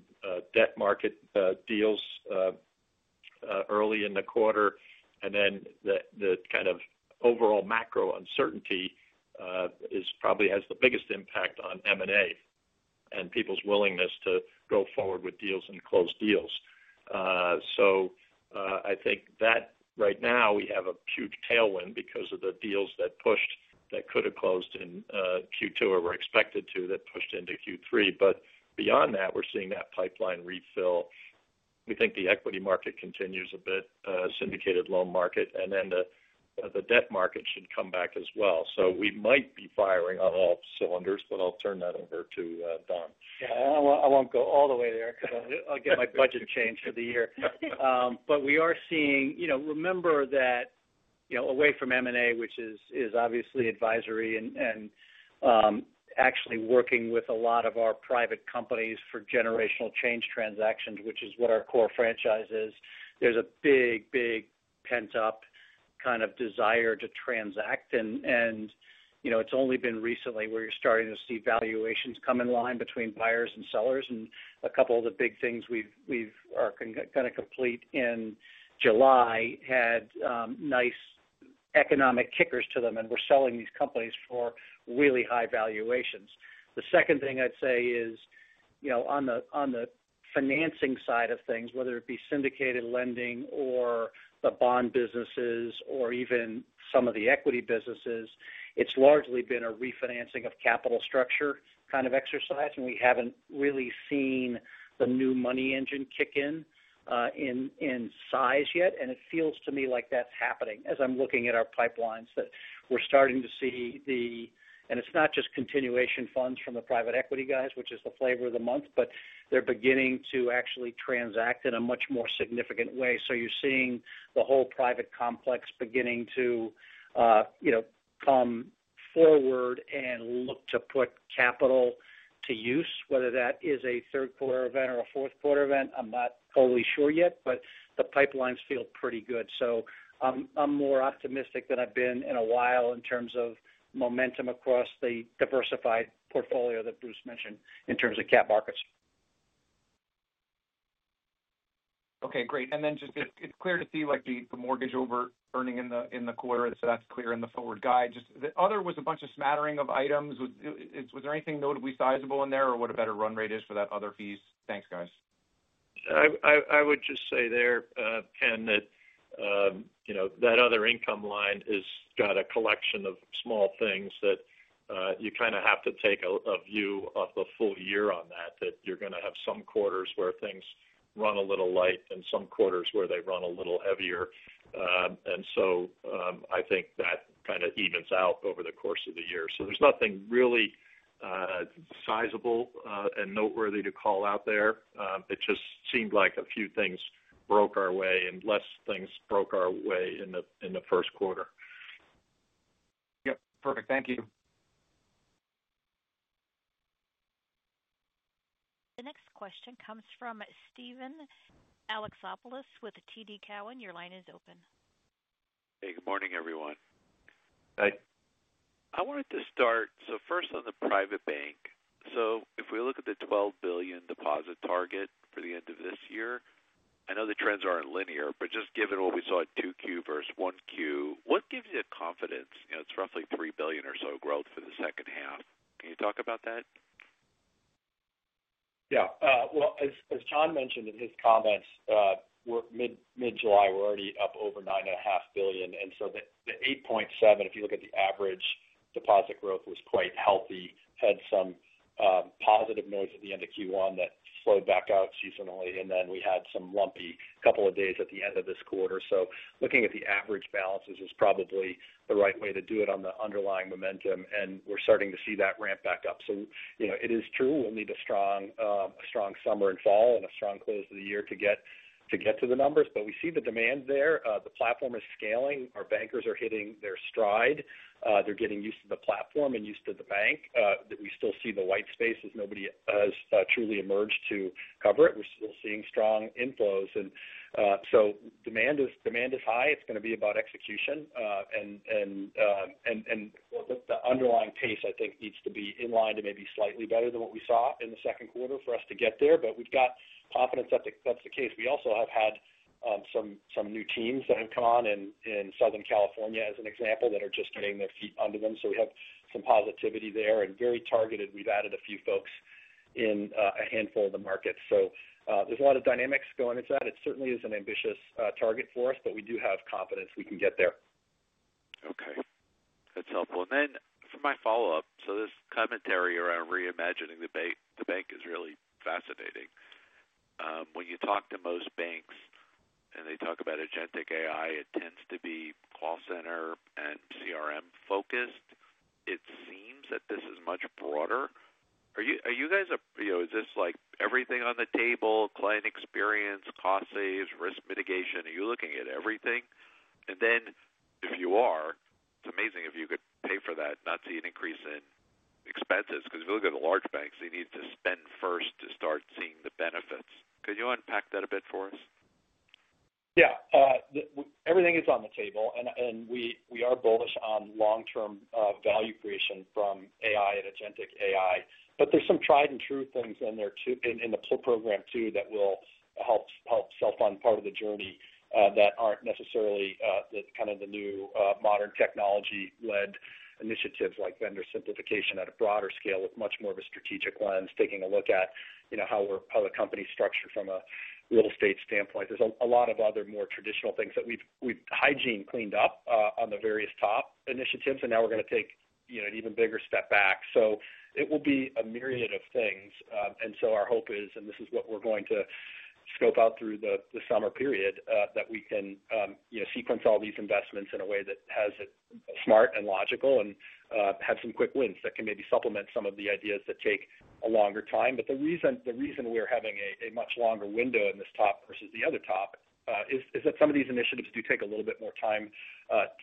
debt market deals early in the quarter. And then the kind of overall macro uncertainty probably has the biggest impact on M&A and people's willingness to go forward with deals and close deals. So I think that right now we have a huge tailwind because of the deals that pushed, that could have closed in Q2 or were expected to, that pushed into Q3. But beyond that, we're seeing that pipeline refill. We think the equity market continues a bit, syndicated loan market, and then the debt market should come back as well. So we might be firing on all cylinders, but I'll turn that over to Don. I won't go all the way there because I'll get my budget changed for the year. But we are seeing, remember that, away from M&A, which is obviously advisory and actually working with a lot of our private companies for generational change transactions, which is what our core franchise is. There's a big, big pent-up kind of desire to transact. And it's only been recently where you're starting to see valuations come in line between buyers and sellers. And a couple of the big things we've kind of completed in July had nice economic kickers to them, and we're selling these companies for really high valuations. The second thing I'd say is on the financing side of things, whether it be syndicated lending or the bond businesses or even some of the equity businesses, it's largely been a refinancing of capital structure kind of exercise. And we haven't really seen the new money engine kick in in size yet. And it feels to me like that's happening as I'm looking at our pipelines that we're starting to see the, and it's not just continuation funds from the private equity guys, which is the flavor of the month, but they're beginning to actually transact in a much more significant way. So you're seeing the whole private complex beginning to come forward and look to put capital to use, whether that is a third-quarter event or a fourth-quarter event. I'm not totally sure yet, but the pipelines feel pretty good. So I'm more optimistic than I've been in a while in terms of momentum across the diversified portfolio that Bruce mentioned in terms of cap markets. Okay. Great. And then just it's clear to see the mortgage origination in the quarter. So that's clear in the forward guide. Just the other was a bunch of smattering of items. Was there anything notably sizable in there or what a better run rate is for that other fees? Thanks, guys. I would just say there, Ken, that. That other income line has got a collection of small things that you kind of have to take a view of the full year on that, that you're going to have some quarters where things run a little light and some quarters where they run a little heavier. And so I think that kind of evens out over the course of the year. So there's nothing really sizable and noteworthy to call out there. It just seemed like a few things broke our way and less things broke our way in the first quarter. Yep. Perfect. Thank you. The next question comes from Steven Alexopoulos with TD Cowen. Your line is open. Hey. Good morning, everyone. Hey. I wanted to start so first on the private bank. So if we look at the $12 billion deposit target for the end of this year, I know the trends aren't linear, but just given what we saw in Q2 versus Q1, what gives you confidence? It's roughly $3 billion or so growth for the second half. Can you talk about that? Yeah. Well, as John mentioned in his comments, mid-July, we're already up over $9.5 billion. And so the $8.7 billion, if you look at the average deposit growth, was quite healthy. Had some positive noise at the end of Q1 that slowed back out seasonally. And then we had some lumpy couple of days at the end of this quarter. So looking at the average balances is probably the right way to do it on the underlying momentum. And we're starting to see that ramp back up. So it is true we'll need a strong summer and fall and a strong close to the year to get to the numbers. But we see the demand there. The platform is scaling. Our bankers are hitting their stride. They're getting used to the platform and used to the bank. We still see the white space as nobody has truly emerged to cover it. We're still seeing strong inflows. And so demand is high. It's going to be about execution. And the underlying pace, I think, needs to be in line to maybe slightly better than what we saw in the second quarter for us to get there. But we've got confidence that that's the case. We also have had some new teams that have come on in Southern California as an example that are just getting their feet under them. So we have some positivity there and very targeted. We've added a few folks in a handful of the markets. So there's a lot of dynamics going into that. It certainly is an ambitious target for us, but we do have confidence we can get there. Okay. That's helpful. And then for my follow-up, so this commentary around reimagining the bank is really fascinating. When you talk to most banks and they talk about agentic AI, it tends to be call center and CRM focused. It seems that this is much broader. Are you guys—is this like everything on the table, client experience, cost saves, risk mitigation? Are you looking at everything? And then if you are, it's amazing if you could pay for that and not see an increase in expenses. Because if you look at the large banks, they need to spend first to start seeing the benefits. Could you unpack that a bit for us? Yeah. Everything is on the table. And we are bullish on long-term value creation from AI and agentic AI. But there's some tried-and-true things in there too in the program too that will help self-fund part of the journey that aren't necessarily kind of the new modern technology-led initiatives like vendor simplification at a broader scale with much more of a strategic lens, taking a look at how the company is structured from a real estate standpoint. There's a lot of other more traditional things that we've hygiene cleaned up on the various top initiatives. And now we're going to take an even bigger step back. So it will be a myriad of things. And so our hope is, and this is what we're going to scope out through the summer period, that we can sequence all these investments in a way that has it smart and logical and have some quick wins that can maybe supplement some of the ideas that take a longer time. But the reason we're having a much longer window in this top versus the other top is that some of these initiatives do take a little bit more time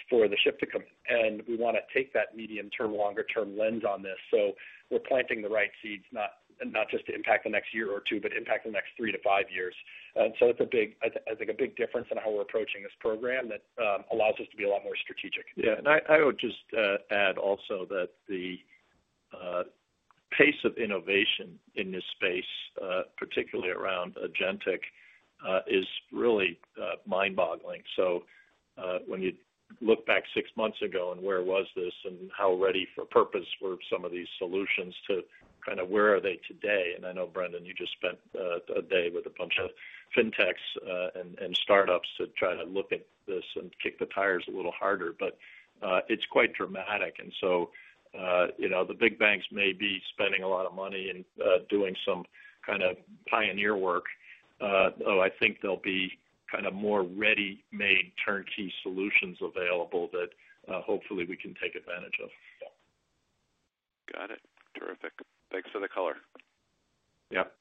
for the shift to come. And we want to take that medium-term, longer-term lens on this. So we're planting the right seeds, not just to impact the next year or two, but impact the next three to five years. And so that's a big—I think a big difference in how we're approaching this program that allows us to be a lot more strategic. Yeah. And I would just add also that the pace of innovation in this space, particularly around agentic, is really mind-boggling. So when you look back six months ago and where was this and how ready for purpose were some of these solutions to kind of where are they today? And I know, Brendan, you just spent a day with a bunch of fintechs and startups to try to look at this and kick the tires a little harder. But it's quite dramatic. And so the big banks may be spending a lot of money and doing some kind of pioneer work. Though I think there'll be kind of more ready-made turnkey solutions available that hopefully we can take advantage of. Got it. Terrific. Thanks for the color. Yep.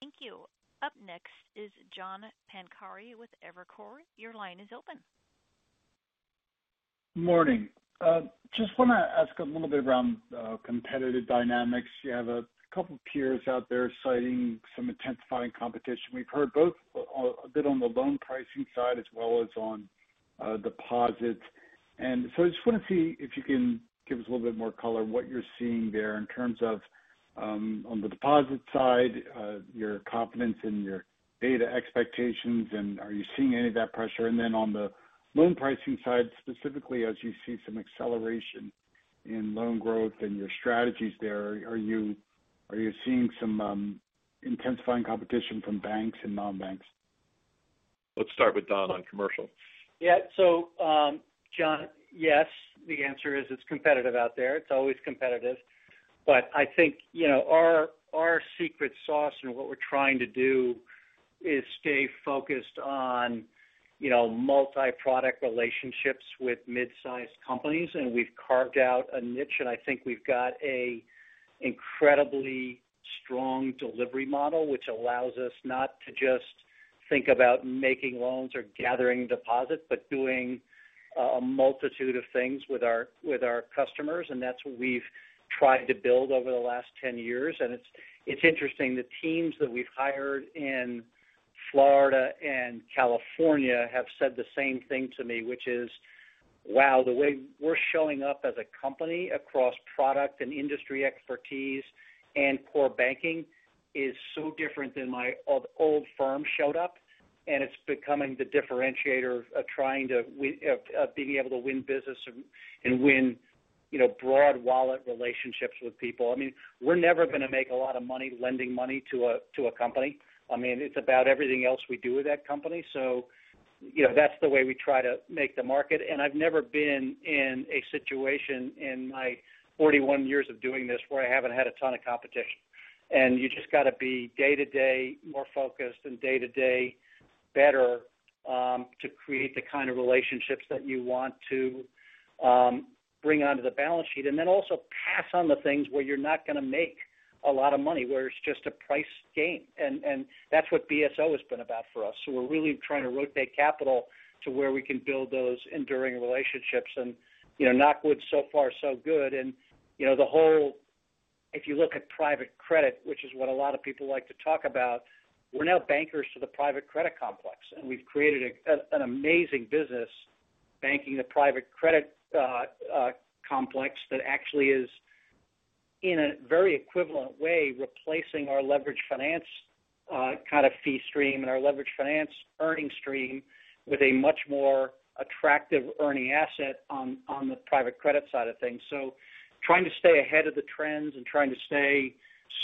Thank you. Up next is John Pancari with Evercore. Your line is open. Good morning. Just want to ask a little bit around competitive dynamics. You have a couple of peers out there citing some intensifying competition. We've heard both a bit on the loan pricing side as well as on deposits. And so I just want to see if you can give us a little bit more color what you're seeing there in terms of. On the deposit side, your confidence in your data expectations, and are you seeing any of that pressure? And then on the loan pricing side, specifically, as you see some acceleration in loan growth and your strategies there, are you seeing some intensifying competition from banks and non-banks? Let's start with Don on commercial. Yeah. So, John, yes, the answer is it's competitive out there. It's always competitive. But I think our secret sauce and what we're trying to do is stay focused on multi-product relationships with mid-sized companies. And we've carved out a niche. And I think we've got an incredibly strong delivery model, which allows us not to just think about making loans or gathering deposits, but doing a multitude of things with our customers. And that's what we've tried to build over the last 10 years. And it's interesting. The teams that we've hired in Florida and California have said the same thing to me, which is, "Wow, the way we're showing up as a company across product and industry expertise and core banking is so different than my old firm showed up." And it's becoming the differentiator of trying to be able to win business and win broad wallet relationships with people. I mean, we're never going to make a lot of money lending money to a company. I mean, it's about everything else we do with that company. So that's the way we try to make the market. And I've never been in a situation in my 41 years of doing this where I haven't had a ton of competition. And you just got to be day-to-day more focused and day-to-day better to create the kind of relationships that you want to bring onto the balance sheet. And then also pass on the things where you're not going to make a lot of money, where it's just a price game. And that's what BSO has been about for us. So we're really trying to rotate capital to where we can build those enduring relationships. And knock on wood, so far, so good. And the whole, if you look at private credit, which is what a lot of people like to talk about, we're now bankers to the private credit complex. And we've created an amazing business banking the private credit complex that actually is in a very equivalent way replacing our leverage finance kind of fee stream and our leverage finance earning stream with a much more attractive earning asset on the private credit side of things. So trying to stay ahead of the trends and trying to stay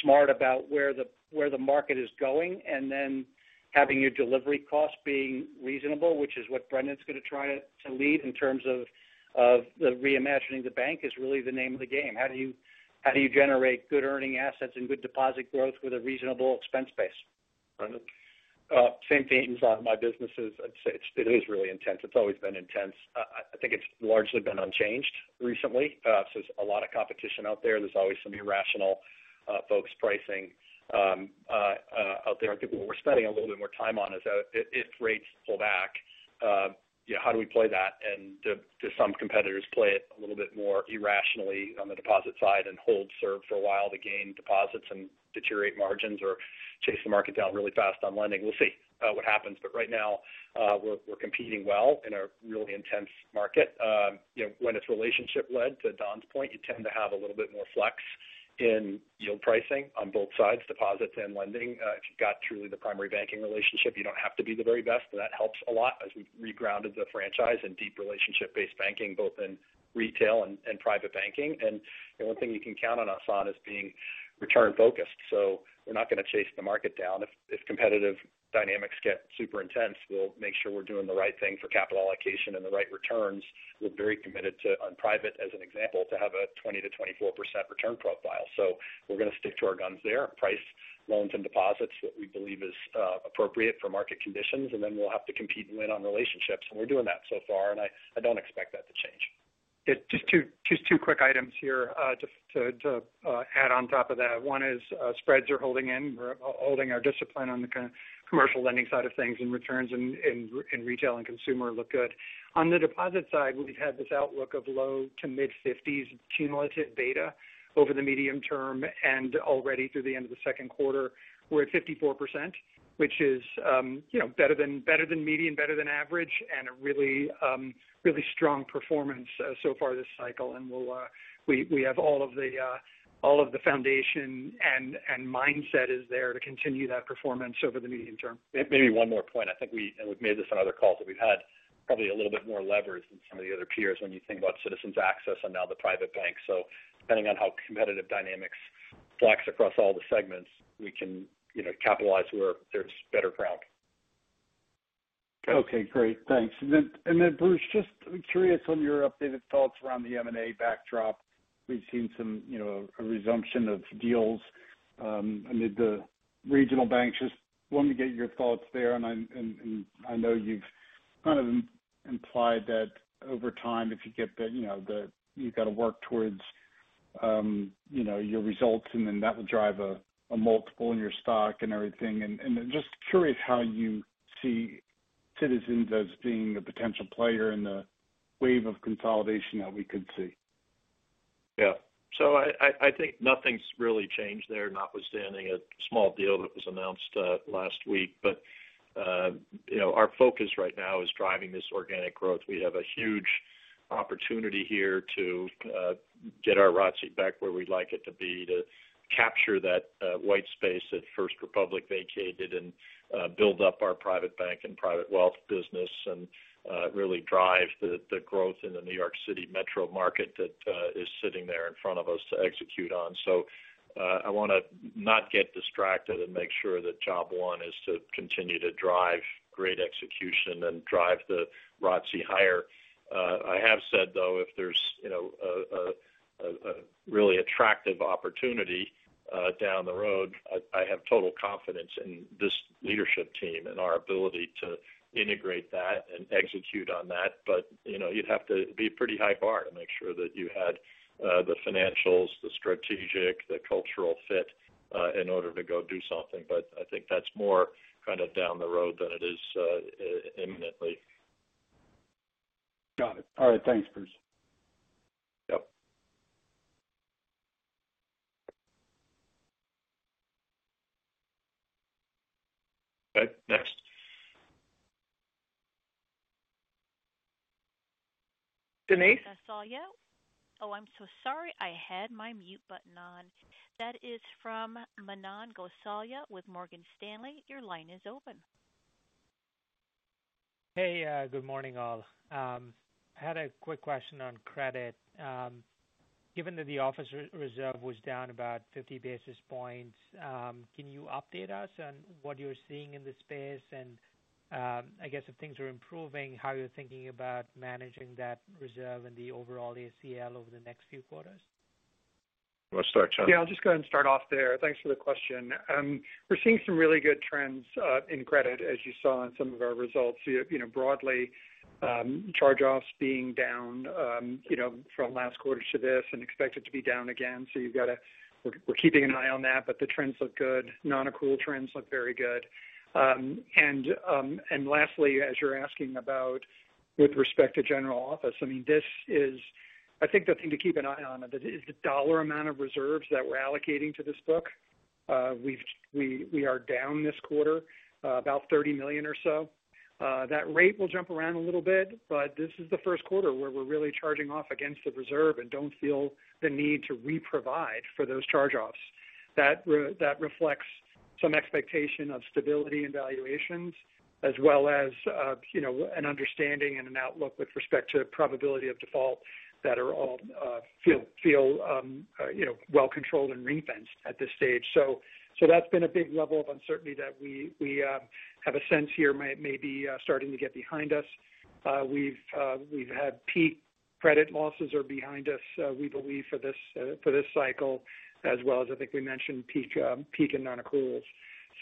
smart about where the market is going. And then having your delivery costs being reasonable, which is what Brendan's going to try to lead in terms of. The Reimagining the Bank is really the name of the game. How do you generate good earning assets and good deposit growth with a reasonable expense base? Same theme inside of my businesses. I'd say it is really intense. It's always been intense. I think it's largely been unchanged recently. So there's a lot of competition out there. There's always some irrational folks pricing out there. I think what we're spending a little bit more time on is if rates pull back. How do we play that? And do some competitors play it a little bit more irrationally on the deposit side and hold serve for a while to gain deposits and deteriorate margins or chase the market down really fast on lending? We'll see what happens. But right now we're competing well in a really intense market. When it's relationship-led, to Don's point, you tend to have a little bit more flex in yield pricing on both sides, deposits and lending. If you've got truly the primary banking relationship, you don't have to be the very best. And that helps a lot as we've re-grounded the franchise and deep relationship-based banking, both in retail and private banking. One thing you can count on us on is being return-focused. We're not going to chase the market down. If competitive dynamics get super intense, we'll make sure we're doing the right thing for capital allocation and the right returns. We're very committed to, on private as an example, to have a 20%-24% return profile. We're going to stick to our guns there, price loans and deposits that we believe is appropriate for market conditions. Then we'll have to compete and win on relationships. We're doing that so far. I don't expect that to change. Just two quick items here to add on top of that. One is spreads are holding in. We're holding our discipline on the commercial lending side of things, and returns in retail and consumer look good. On the deposit side, we've had this outlook of low to mid-50s cumulative beta over the medium term. Already through the end of the second quarter, we're at 54%, which is better than median, better than average, and a really strong performance so far this cycle. We have all of the foundation and mindset is there to continue that performance over the medium term. Maybe one more point. I think we've made this on other calls that we've had probably a little bit more leverage than some of the other peers when you think about Citizens Access and now the private bank. Depending on how competitive dynamics flex across all the segments, we can capitalize where there's better ground. Okay. Great. Thanks. Then, Bruce, just curious on your updated thoughts around the M&A backdrop. We've seen some resumption of deals. I mean, the regional banks just wanted to get your thoughts there. And I know you've kind of implied that over time, if you get the results. You've got to work towards your results, and then that will drive a multiple in your stock and everything. And just curious how you see Citizens as being the potential player in the wave of consolidation that we could see. Yeah. So I think nothing's really changed there, notwithstanding a small deal that was announced last week. But our focus right now is driving this organic growth. We have a huge opportunity here to get our ROTC back where we'd like it to be, to capture that white space that First Republic vacated and build up our private bank and private wealth business and really drive the growth in the New York City metro market that is sitting there in front of us to execute on. So I want to not get distracted and make sure that job one is to continue to drive great execution and drive the ROTC higher. I have said, though, if there's a really attractive opportunity down the road, I have total confidence in this leadership team and our ability to integrate that and execute on that. But you'd have to be a pretty high bar to make sure that you had the financials, the strategic, the cultural fit in order to go do something. But I think that's more kind of down the road than it is imminently. Got it. All right. Thanks, Bruce. Yep. Okay. Next. Denise? Gosalia. Oh, I'm so sorry. I had my mute button on. That is from Manan Gosalia with Morgan Stanley. Your line is open. Hey, good morning all. I had a quick question on credit. Given that the office reserve was down about 50 basis points, can you update us on what you're seeing in the space and I guess, if things are improving, how you're thinking about managing that reserve and the overall ACL over the next few quarters? Let's start, Chuck. Yeah, I'll just go ahead and start off there. Thanks for the question. We're seeing some really good trends in credit, as you saw in some of our results broadly. Charge-offs being down from last quarter to this and expected to be down again. So you've got to. We're keeping an eye on that. But the trends look good. Non-accrual trends look very good. And lastly, as you're asking about with respect to general office, I mean, this is I think the thing to keep an eye on is the dollar amount of reserves that we're allocating to this book. We are down this quarter about $30 million or so. That rate will jump around a little bit, but this is the first quarter where we're really charging off against the reserve and don't feel the need to reprovide for those charge-offs. That reflects some expectation of stability in valuations as well as an understanding and an outlook with respect to probability of default that are all feel. Well-controlled and ring-fenced at this stage. So that's been a big level of uncertainty that we have a sense here may be starting to get behind us. We've had peak credit losses are behind us, we believe, for this cycle, as well as, I think we mentioned, peak in non-accruals.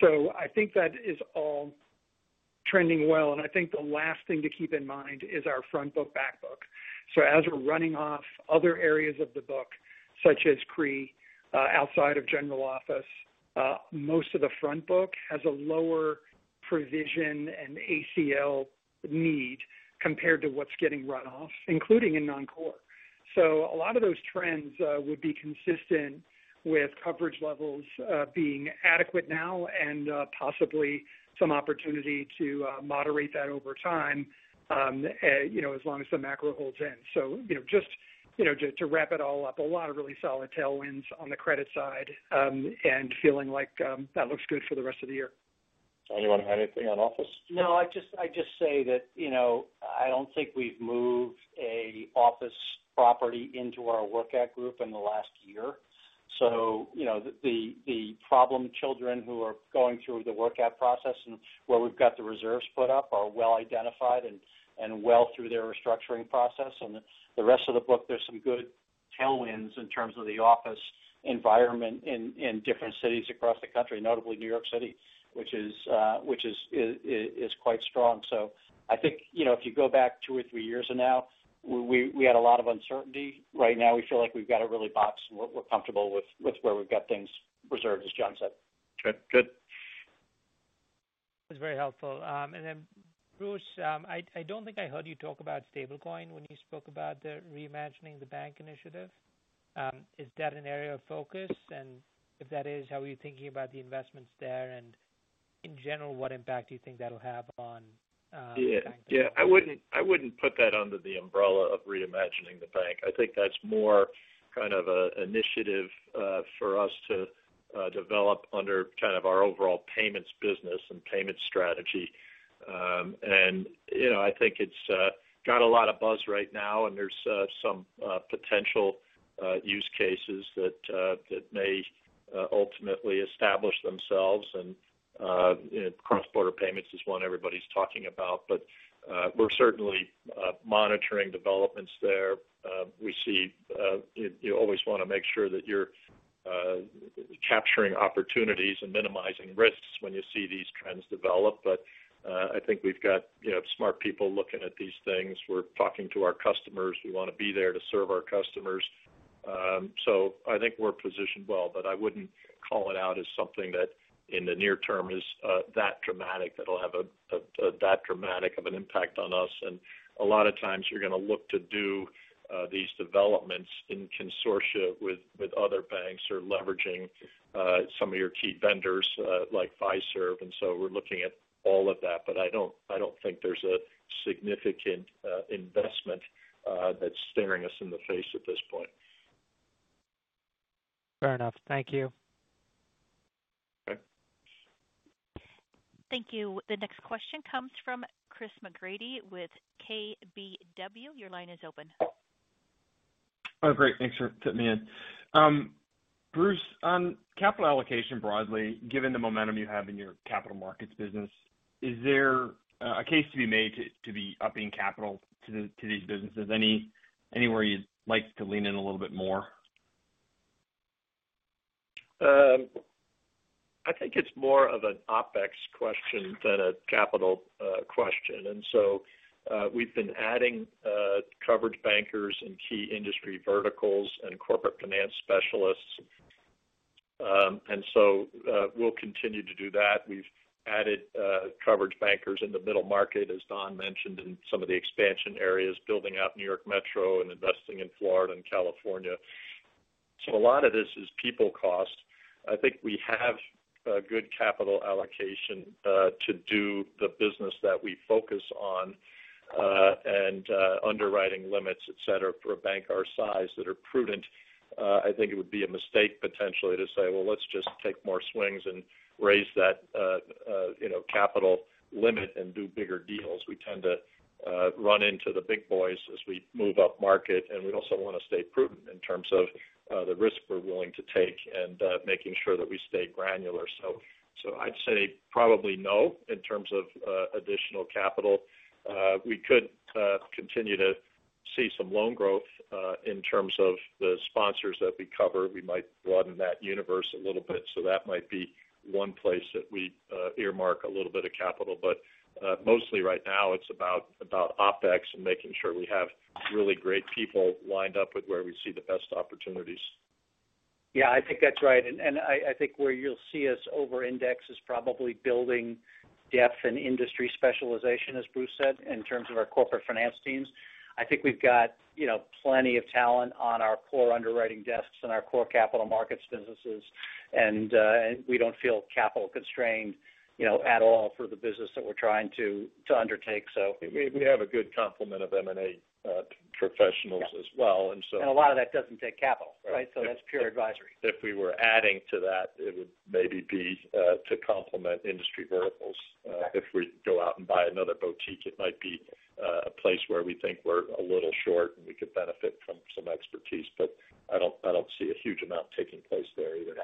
So I think that is all trending well. And I think the last thing to keep in mind is our front book, back book. So as we're running off other areas of the book, such as CRE outside of general office. Most of the front book has a lower provision and ACL need compared to what's getting run off, including in non-core. So a lot of those trends would be consistent with coverage levels being adequate now and possibly some opportunity to moderate that over time. As long as the macro holds in. To wrap it all up, a lot of really solid tailwinds on the credit side. And feeling like that looks good for the rest of the year. Anyone have anything on office? No, I just say that. I don't think we've moved an office property into our workout group in the last year. So the problem children who are going through the workout process and where we've got the reserves put up are well identified and well through their restructuring process. And the rest of the book, there's some good tailwinds in terms of the office environment in different cities across the country, notably New York City, which is quite strong. So I think if you go back two or three years now. We had a lot of uncertainty. Right now, we feel like we've got a real box and we're comfortable with where we've got things reserved, as John said. Okay. Good. That's very helpful. And then, Bruce, I don't think I heard you talk about Stablecoin when you spoke about the reimagining the bank initiative. Is that an area of focus? And if that is, how are you thinking about the investments there? And in general, what impact do you think that'll have on the bank? Yeah. I wouldn't put that under the umbrella of reimagining the bank. I think that's more kind of an initiative for us to develop under kind of our overall payments business and payment strategy. And I think it's got a lot of buzz right now, and there's some potential use cases that may ultimately establish themselves. And cross-border payments is one everybody's talking about. But we're certainly monitoring developments there. We see. You always want to make sure that you're capturing opportunities and minimizing risks when you see these trends develop. But I think we've got smart people looking at these things. We're talking to our customers. We want to be there to serve our customers. So I think we're positioned well. But I wouldn't call it out as something that in the near term is that dramatic that'll have that dramatic of an impact on us. And a lot of times, you're going to look to do these developments in consortia with other banks or leveraging some of your key vendors like Fiserv. And so we're looking at all of that. But I don't think there's a significant investment that's staring us in the face at this point. Fair enough. Thank you. Okay. Thank you. The next question comes from Chris McGratty with KBW. Your line is open. Oh, great. Thanks for putting me in. Bruce, on capital allocation broadly, given the momentum you have in your capital markets business. Is there a case to be made to be upping capital to these businesses? Anywhere you'd like to lean in a little bit more? I think it's more of an OpEx question than a capital question. And so we've been adding coverage bankers and key industry verticals and corporate finance specialists. And so we'll continue to do that. We've added coverage bankers in the middle market, as Don mentioned, in some of the expansion areas, building out New York Metro and investing in Florida and California. So a lot of this is people cost. I think we have a good capital allocation to do the business that we focus on. And underwriting limits, etc., for a bank our size that are prudent. I think it would be a mistake potentially to say, "Well, let's just take more swings and raise that capital limit and do bigger deals." We tend to run into the big boys as we move up market. And we also want to stay prudent in terms of the risk we're willing to take and making sure that we stay granular. So I'd say probably no in terms of additional capital. We could continue to see some loan growth in terms of the sponsors that we cover. We might broaden that universe a little bit. So that might be one place that we earmark a little bit of capital. But mostly right now, it's about OpEx and making sure we have really great people lined up with where we see the best opportunities. Yeah, I think that's right. And I think where you'll see us over-index is probably building depth and industry specialization, as Bruce said, in terms of our corporate finance teams. I think we've got plenty of talent on our core underwriting desks and our core capital markets businesses. And we don't feel capital constrained at all for the business that we're trying to undertake. So we have a good complement of M&A professionals as well. And a lot of that doesn't take capital, right? So that's pure advisory. If we were adding to that, it would maybe be to complement industry verticals. If we go out and buy another boutique, it might be a place where we think we're a little short and we could benefit from some expertise. But I don't see a huge amount taking place there either.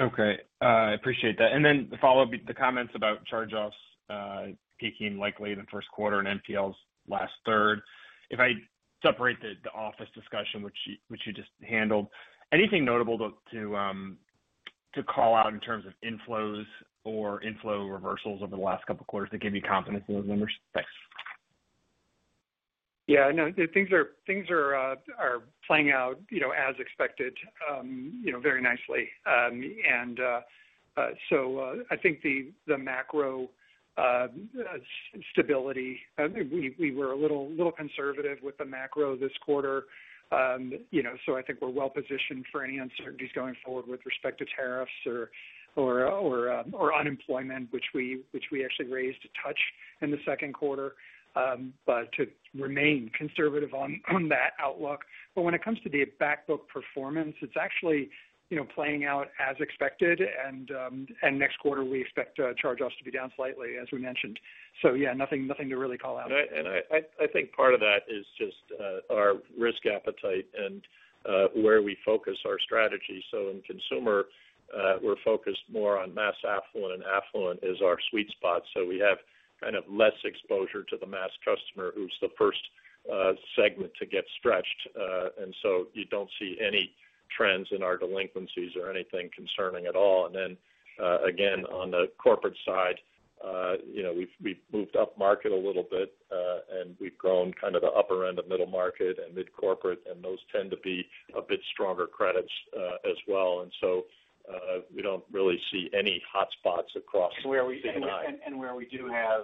Okay. I appreciate that. And then the follow-up, the comments about charge-offs peaking likely in the first quarter and MPL's last third. If I separate the office discussion, which you just handled, anything notable to call out in terms of inflows or inflow reversals over the last couple of quarters that gave you confidence in those numbers? Thanks. Yeah. No, things are playing out as expected very nicely. So I think the macro stability, we were a little conservative with the macro this quarter. So I think we're well-positioned for any uncertainties going forward with respect to tariffs or unemployment, which we actually raised a touch in the second quarter. But to remain conservative on that outlook. But when it comes to the backbook performance, it's actually playing out as expected. And next quarter, we expect charge-offs to be down slightly, as we mentioned. So yeah, nothing to really call out. And I think part of that is just our risk appetite and where we focus our strategy. So in consumer, we're focused more on mass affluent, and affluent is our sweet spot. So we have kind of less exposure to the mass customer, who's the first segment to get stretched. And so you don't see any trends in our delinquencies or anything concerning at all. And then again, on the corporate side. We've moved up market a little bit, and we've grown kind of the upper end of middle market and mid-corporate. And those tend to be a bit stronger credits as well. And so we don't really see any hotspots across the line. And where we do have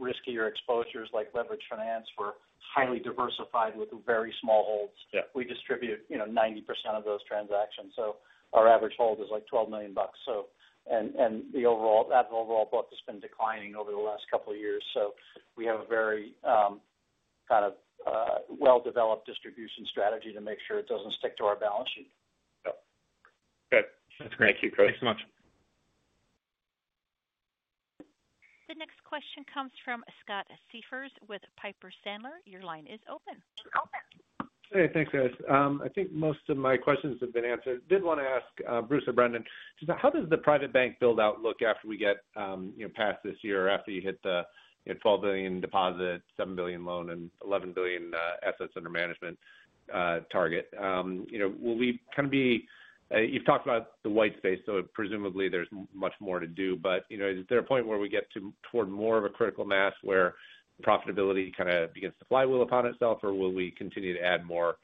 riskier exposures like leverage finance, we're highly diversified with very small holds. We distribute 90% of those transactions. So our average hold is like $12 million. And the overall book has been declining over the last couple of years. So we have a very kind of well-developed distribution strategy to make sure it doesn't stick to our balance sheet. Okay. Thank you, Chris. Thanks so much. The next question comes from Scott Siefers with Piper Sandler. Your line is open. Hey, thanks, guys. I think most of my questions have been answered. I did want to ask Bruce or Brendan, how does the private bank build-out look after we get past this year or after you hit the $12 billion deposit, $7 billion loan, and $11 billion assets under management target? Will we kind of be—you've talked about the white space, so presumably there's much more to do. But is there a point where we get toward more of a critical mass where profitability kind of begins to flywheel upon itself, or will we continue to add more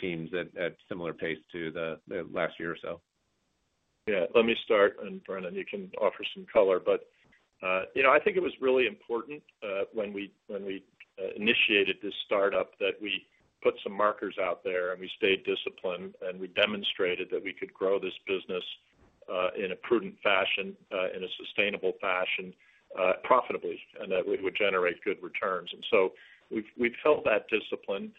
teams at similar pace to the last year or so? Yeah. Let me start, and Brendan, you can offer some color. I think it was really important when we initiated this startup that we put some markers out there, and we stayed disciplined, and we demonstrated that we could grow this business. In a prudent fashion, in a sustainable fashion. Profitably, and that we would generate good returns. And so we've held that discipline.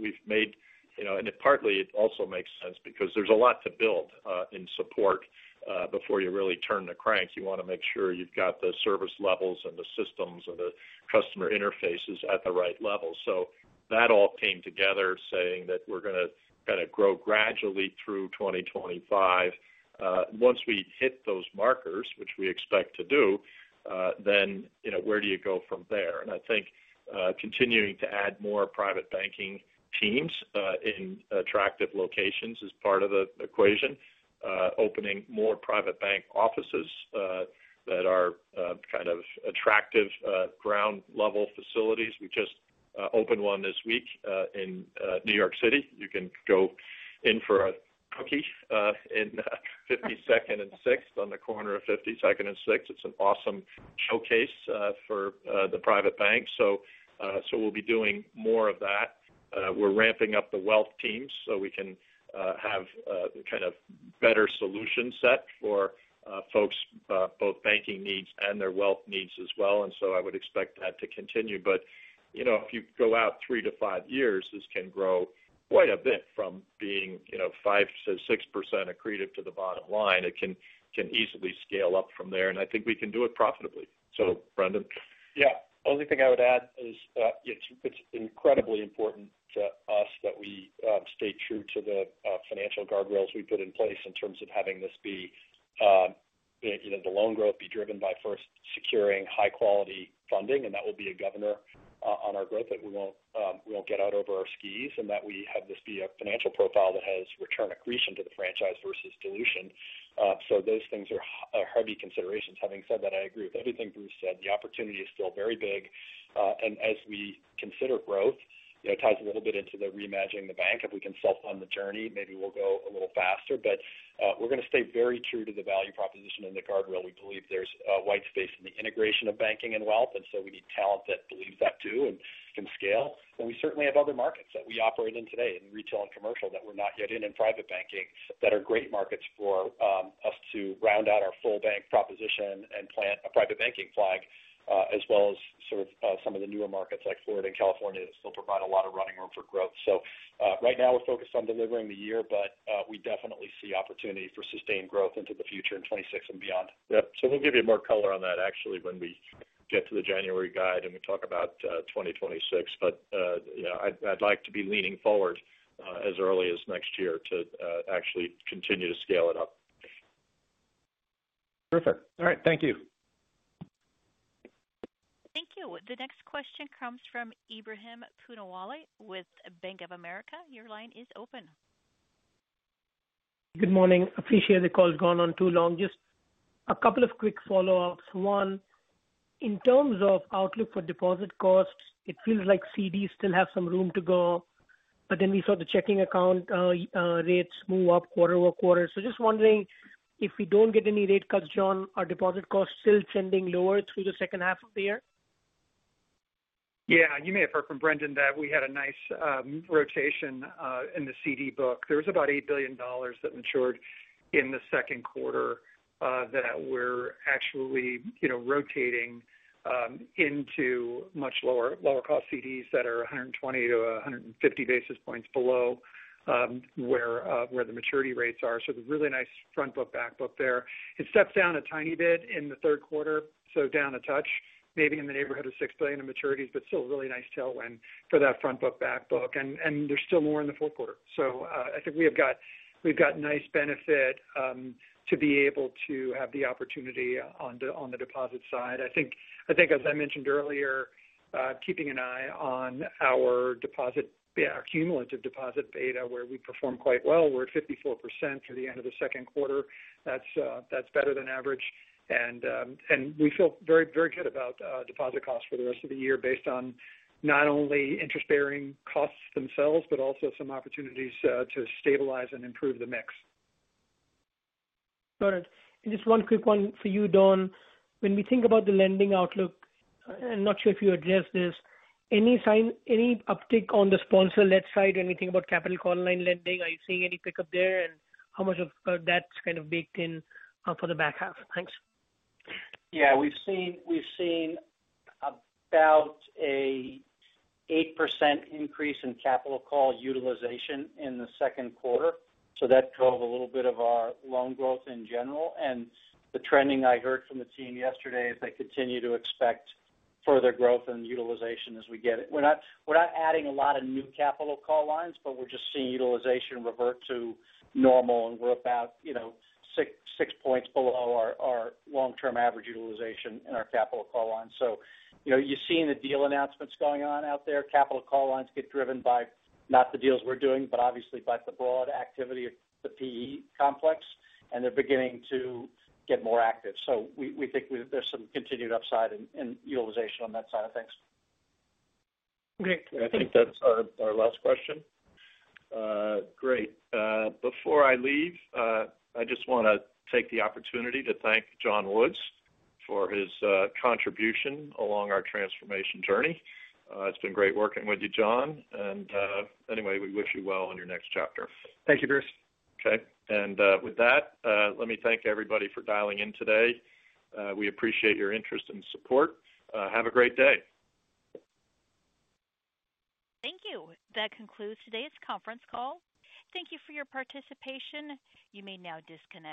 We've made, and partly, it also makes sense because there's a lot to build in support. Before you really turn the crank, you want to make sure you've got the service levels and the systems and the customer interfaces at the right level. So that all came together, saying that we're going to kind of grow gradually through 2025. Once we hit those markers, which we expect to do. Then where do you go from there? And I think continuing to add more private banking teams in attractive locations is part of the equation. Opening more private bank offices that are kind of attractive ground-level facilities. We just opened one this week in New York City. You can go in for a cookie in 52nd and 6th on the corner of 52nd and 6th. It's an awesome showcase for the private bank. So we'll be doing more of that. We're ramping up the wealth teams so we can have kind of better solutions set for folks, both banking needs and their wealth needs as well. And so I would expect that to continue. But if you go out three to five years, this can grow quite a bit from being 5%-6% accretive to the bottom line. It can easily scale up from there. And I think we can do it profitably. So, Brendan? Yeah. The only thing I would add is it's incredibly important to us that we stay true to the financial guardrails we put in place in terms of having this be. The loan growth be driven by first securing high-quality funding. And that will be a governor on our growth that we won't get out over our skis and that we have this be a financial profile that has return accretion to the franchise versus dilution. So those things are heavy considerations. Having said that, I agree with everything Bruce said. The opportunity is still very big. And as we consider growth, it ties a little bit into the reimagining the bank. If we can self-fund the journey, maybe we'll go a little faster. But we're going to stay very true to the value proposition and the guardrail. We believe there's a white space in the integration of banking and wealth. And so we need talent that believes that too and can scale. And we certainly have other markets that we operate in today, in retail and commercial, that we're not yet in in private banking that are great markets for us to round out our full bank proposition and plant a private banking flag, as well as sort of some of the newer markets like Florida and California that still provide a lot of running room for growth. So right now, we're focused on delivering the year, but we definitely see opportunity for sustained growth into the future in 2026 and beyond. Yeah. So we'll give you more color on that, actually, when we get to the January guide and we talk about 2026. But I'd like to be leaning forward as early as next year to actually continue to scale it up. Terrific. All right. Thank you. Thank you. The next question comes from Ebrahim Punawale with Bank of America. Your line is open. Good morning. Appreciate the call's gone on too long. Just a couple of quick follow-ups. One, in terms of outlook for deposit costs, it feels like CDs still have some room to go. But then we saw the checking account rates move up quarter over quarter. So just wondering if we don't get any rate cuts, John, are deposit costs still trending lower through the second half of the year? Yeah. You may have heard from Brendan that we had a nice rotation in the CD book. There was about $8 billion that matured in the second quarter that we're actually rotating into much lower cost CDs that are 120-150 basis points below where the maturity rates are. So it's a really nice front book, back book there. It stepped down a tiny bit in the third quarter, so down a touch, maybe in the neighborhood of $6 billion in maturities, but still a really nice tailwind for that front book, back book. And there's still more in the fourth quarter. So I think we've got nice benefit to be able to have the opportunity on the deposit side. I think, as I mentioned earlier, keeping an eye on our cumulative deposit beta where we perform quite well. We're at 54% for the end of the second quarter. That's better than average. And we feel very good about deposit costs for the rest of the year based on not only interest-bearing costs themselves, but also some opportunities to stabilize and improve the mix. Got it. And just one quick one for you, Don. When we think about the lending outlook, I'm not sure if you addressed this, any uptick on the sponsor-led side or anything about capital call-line lending? Are you seeing any pickup there? And how much of that's kind of baked in for the back half? Thanks. Yeah. We've seen about an 8% increase in capital call utilization in the second quarter. So that drove a little bit of our loan growth in general. And the trending I heard from the team yesterday is they continue to expect further growth in utilization as we get it. We're not adding a lot of new capital call lines, but we're just seeing utilization revert to normal. And we're about six points below our long-term average utilization in our capital call line. So you're seeing the deal announcements going on out there. Capital call lines get driven by not the deals we're doing, but obviously by the broad activity of the PE complex. And they're beginning to get more active. So we think there's some continued upside in utilization on that side of things. Great. I think that's our last question. Great. Before I leave, I just want to take the opportunity to thank John Woods for his contribution along our transformation journey. It's been great working with you, John. And anyway, we wish you well on your next chapter. Thank you, Bruce. Okay. And with that, let me thank everybody for dialing in today. We appreciate your interest and support. Have a great day. Thank you. That concludes today's conference call. Thank you for your participation. You may now disconnect.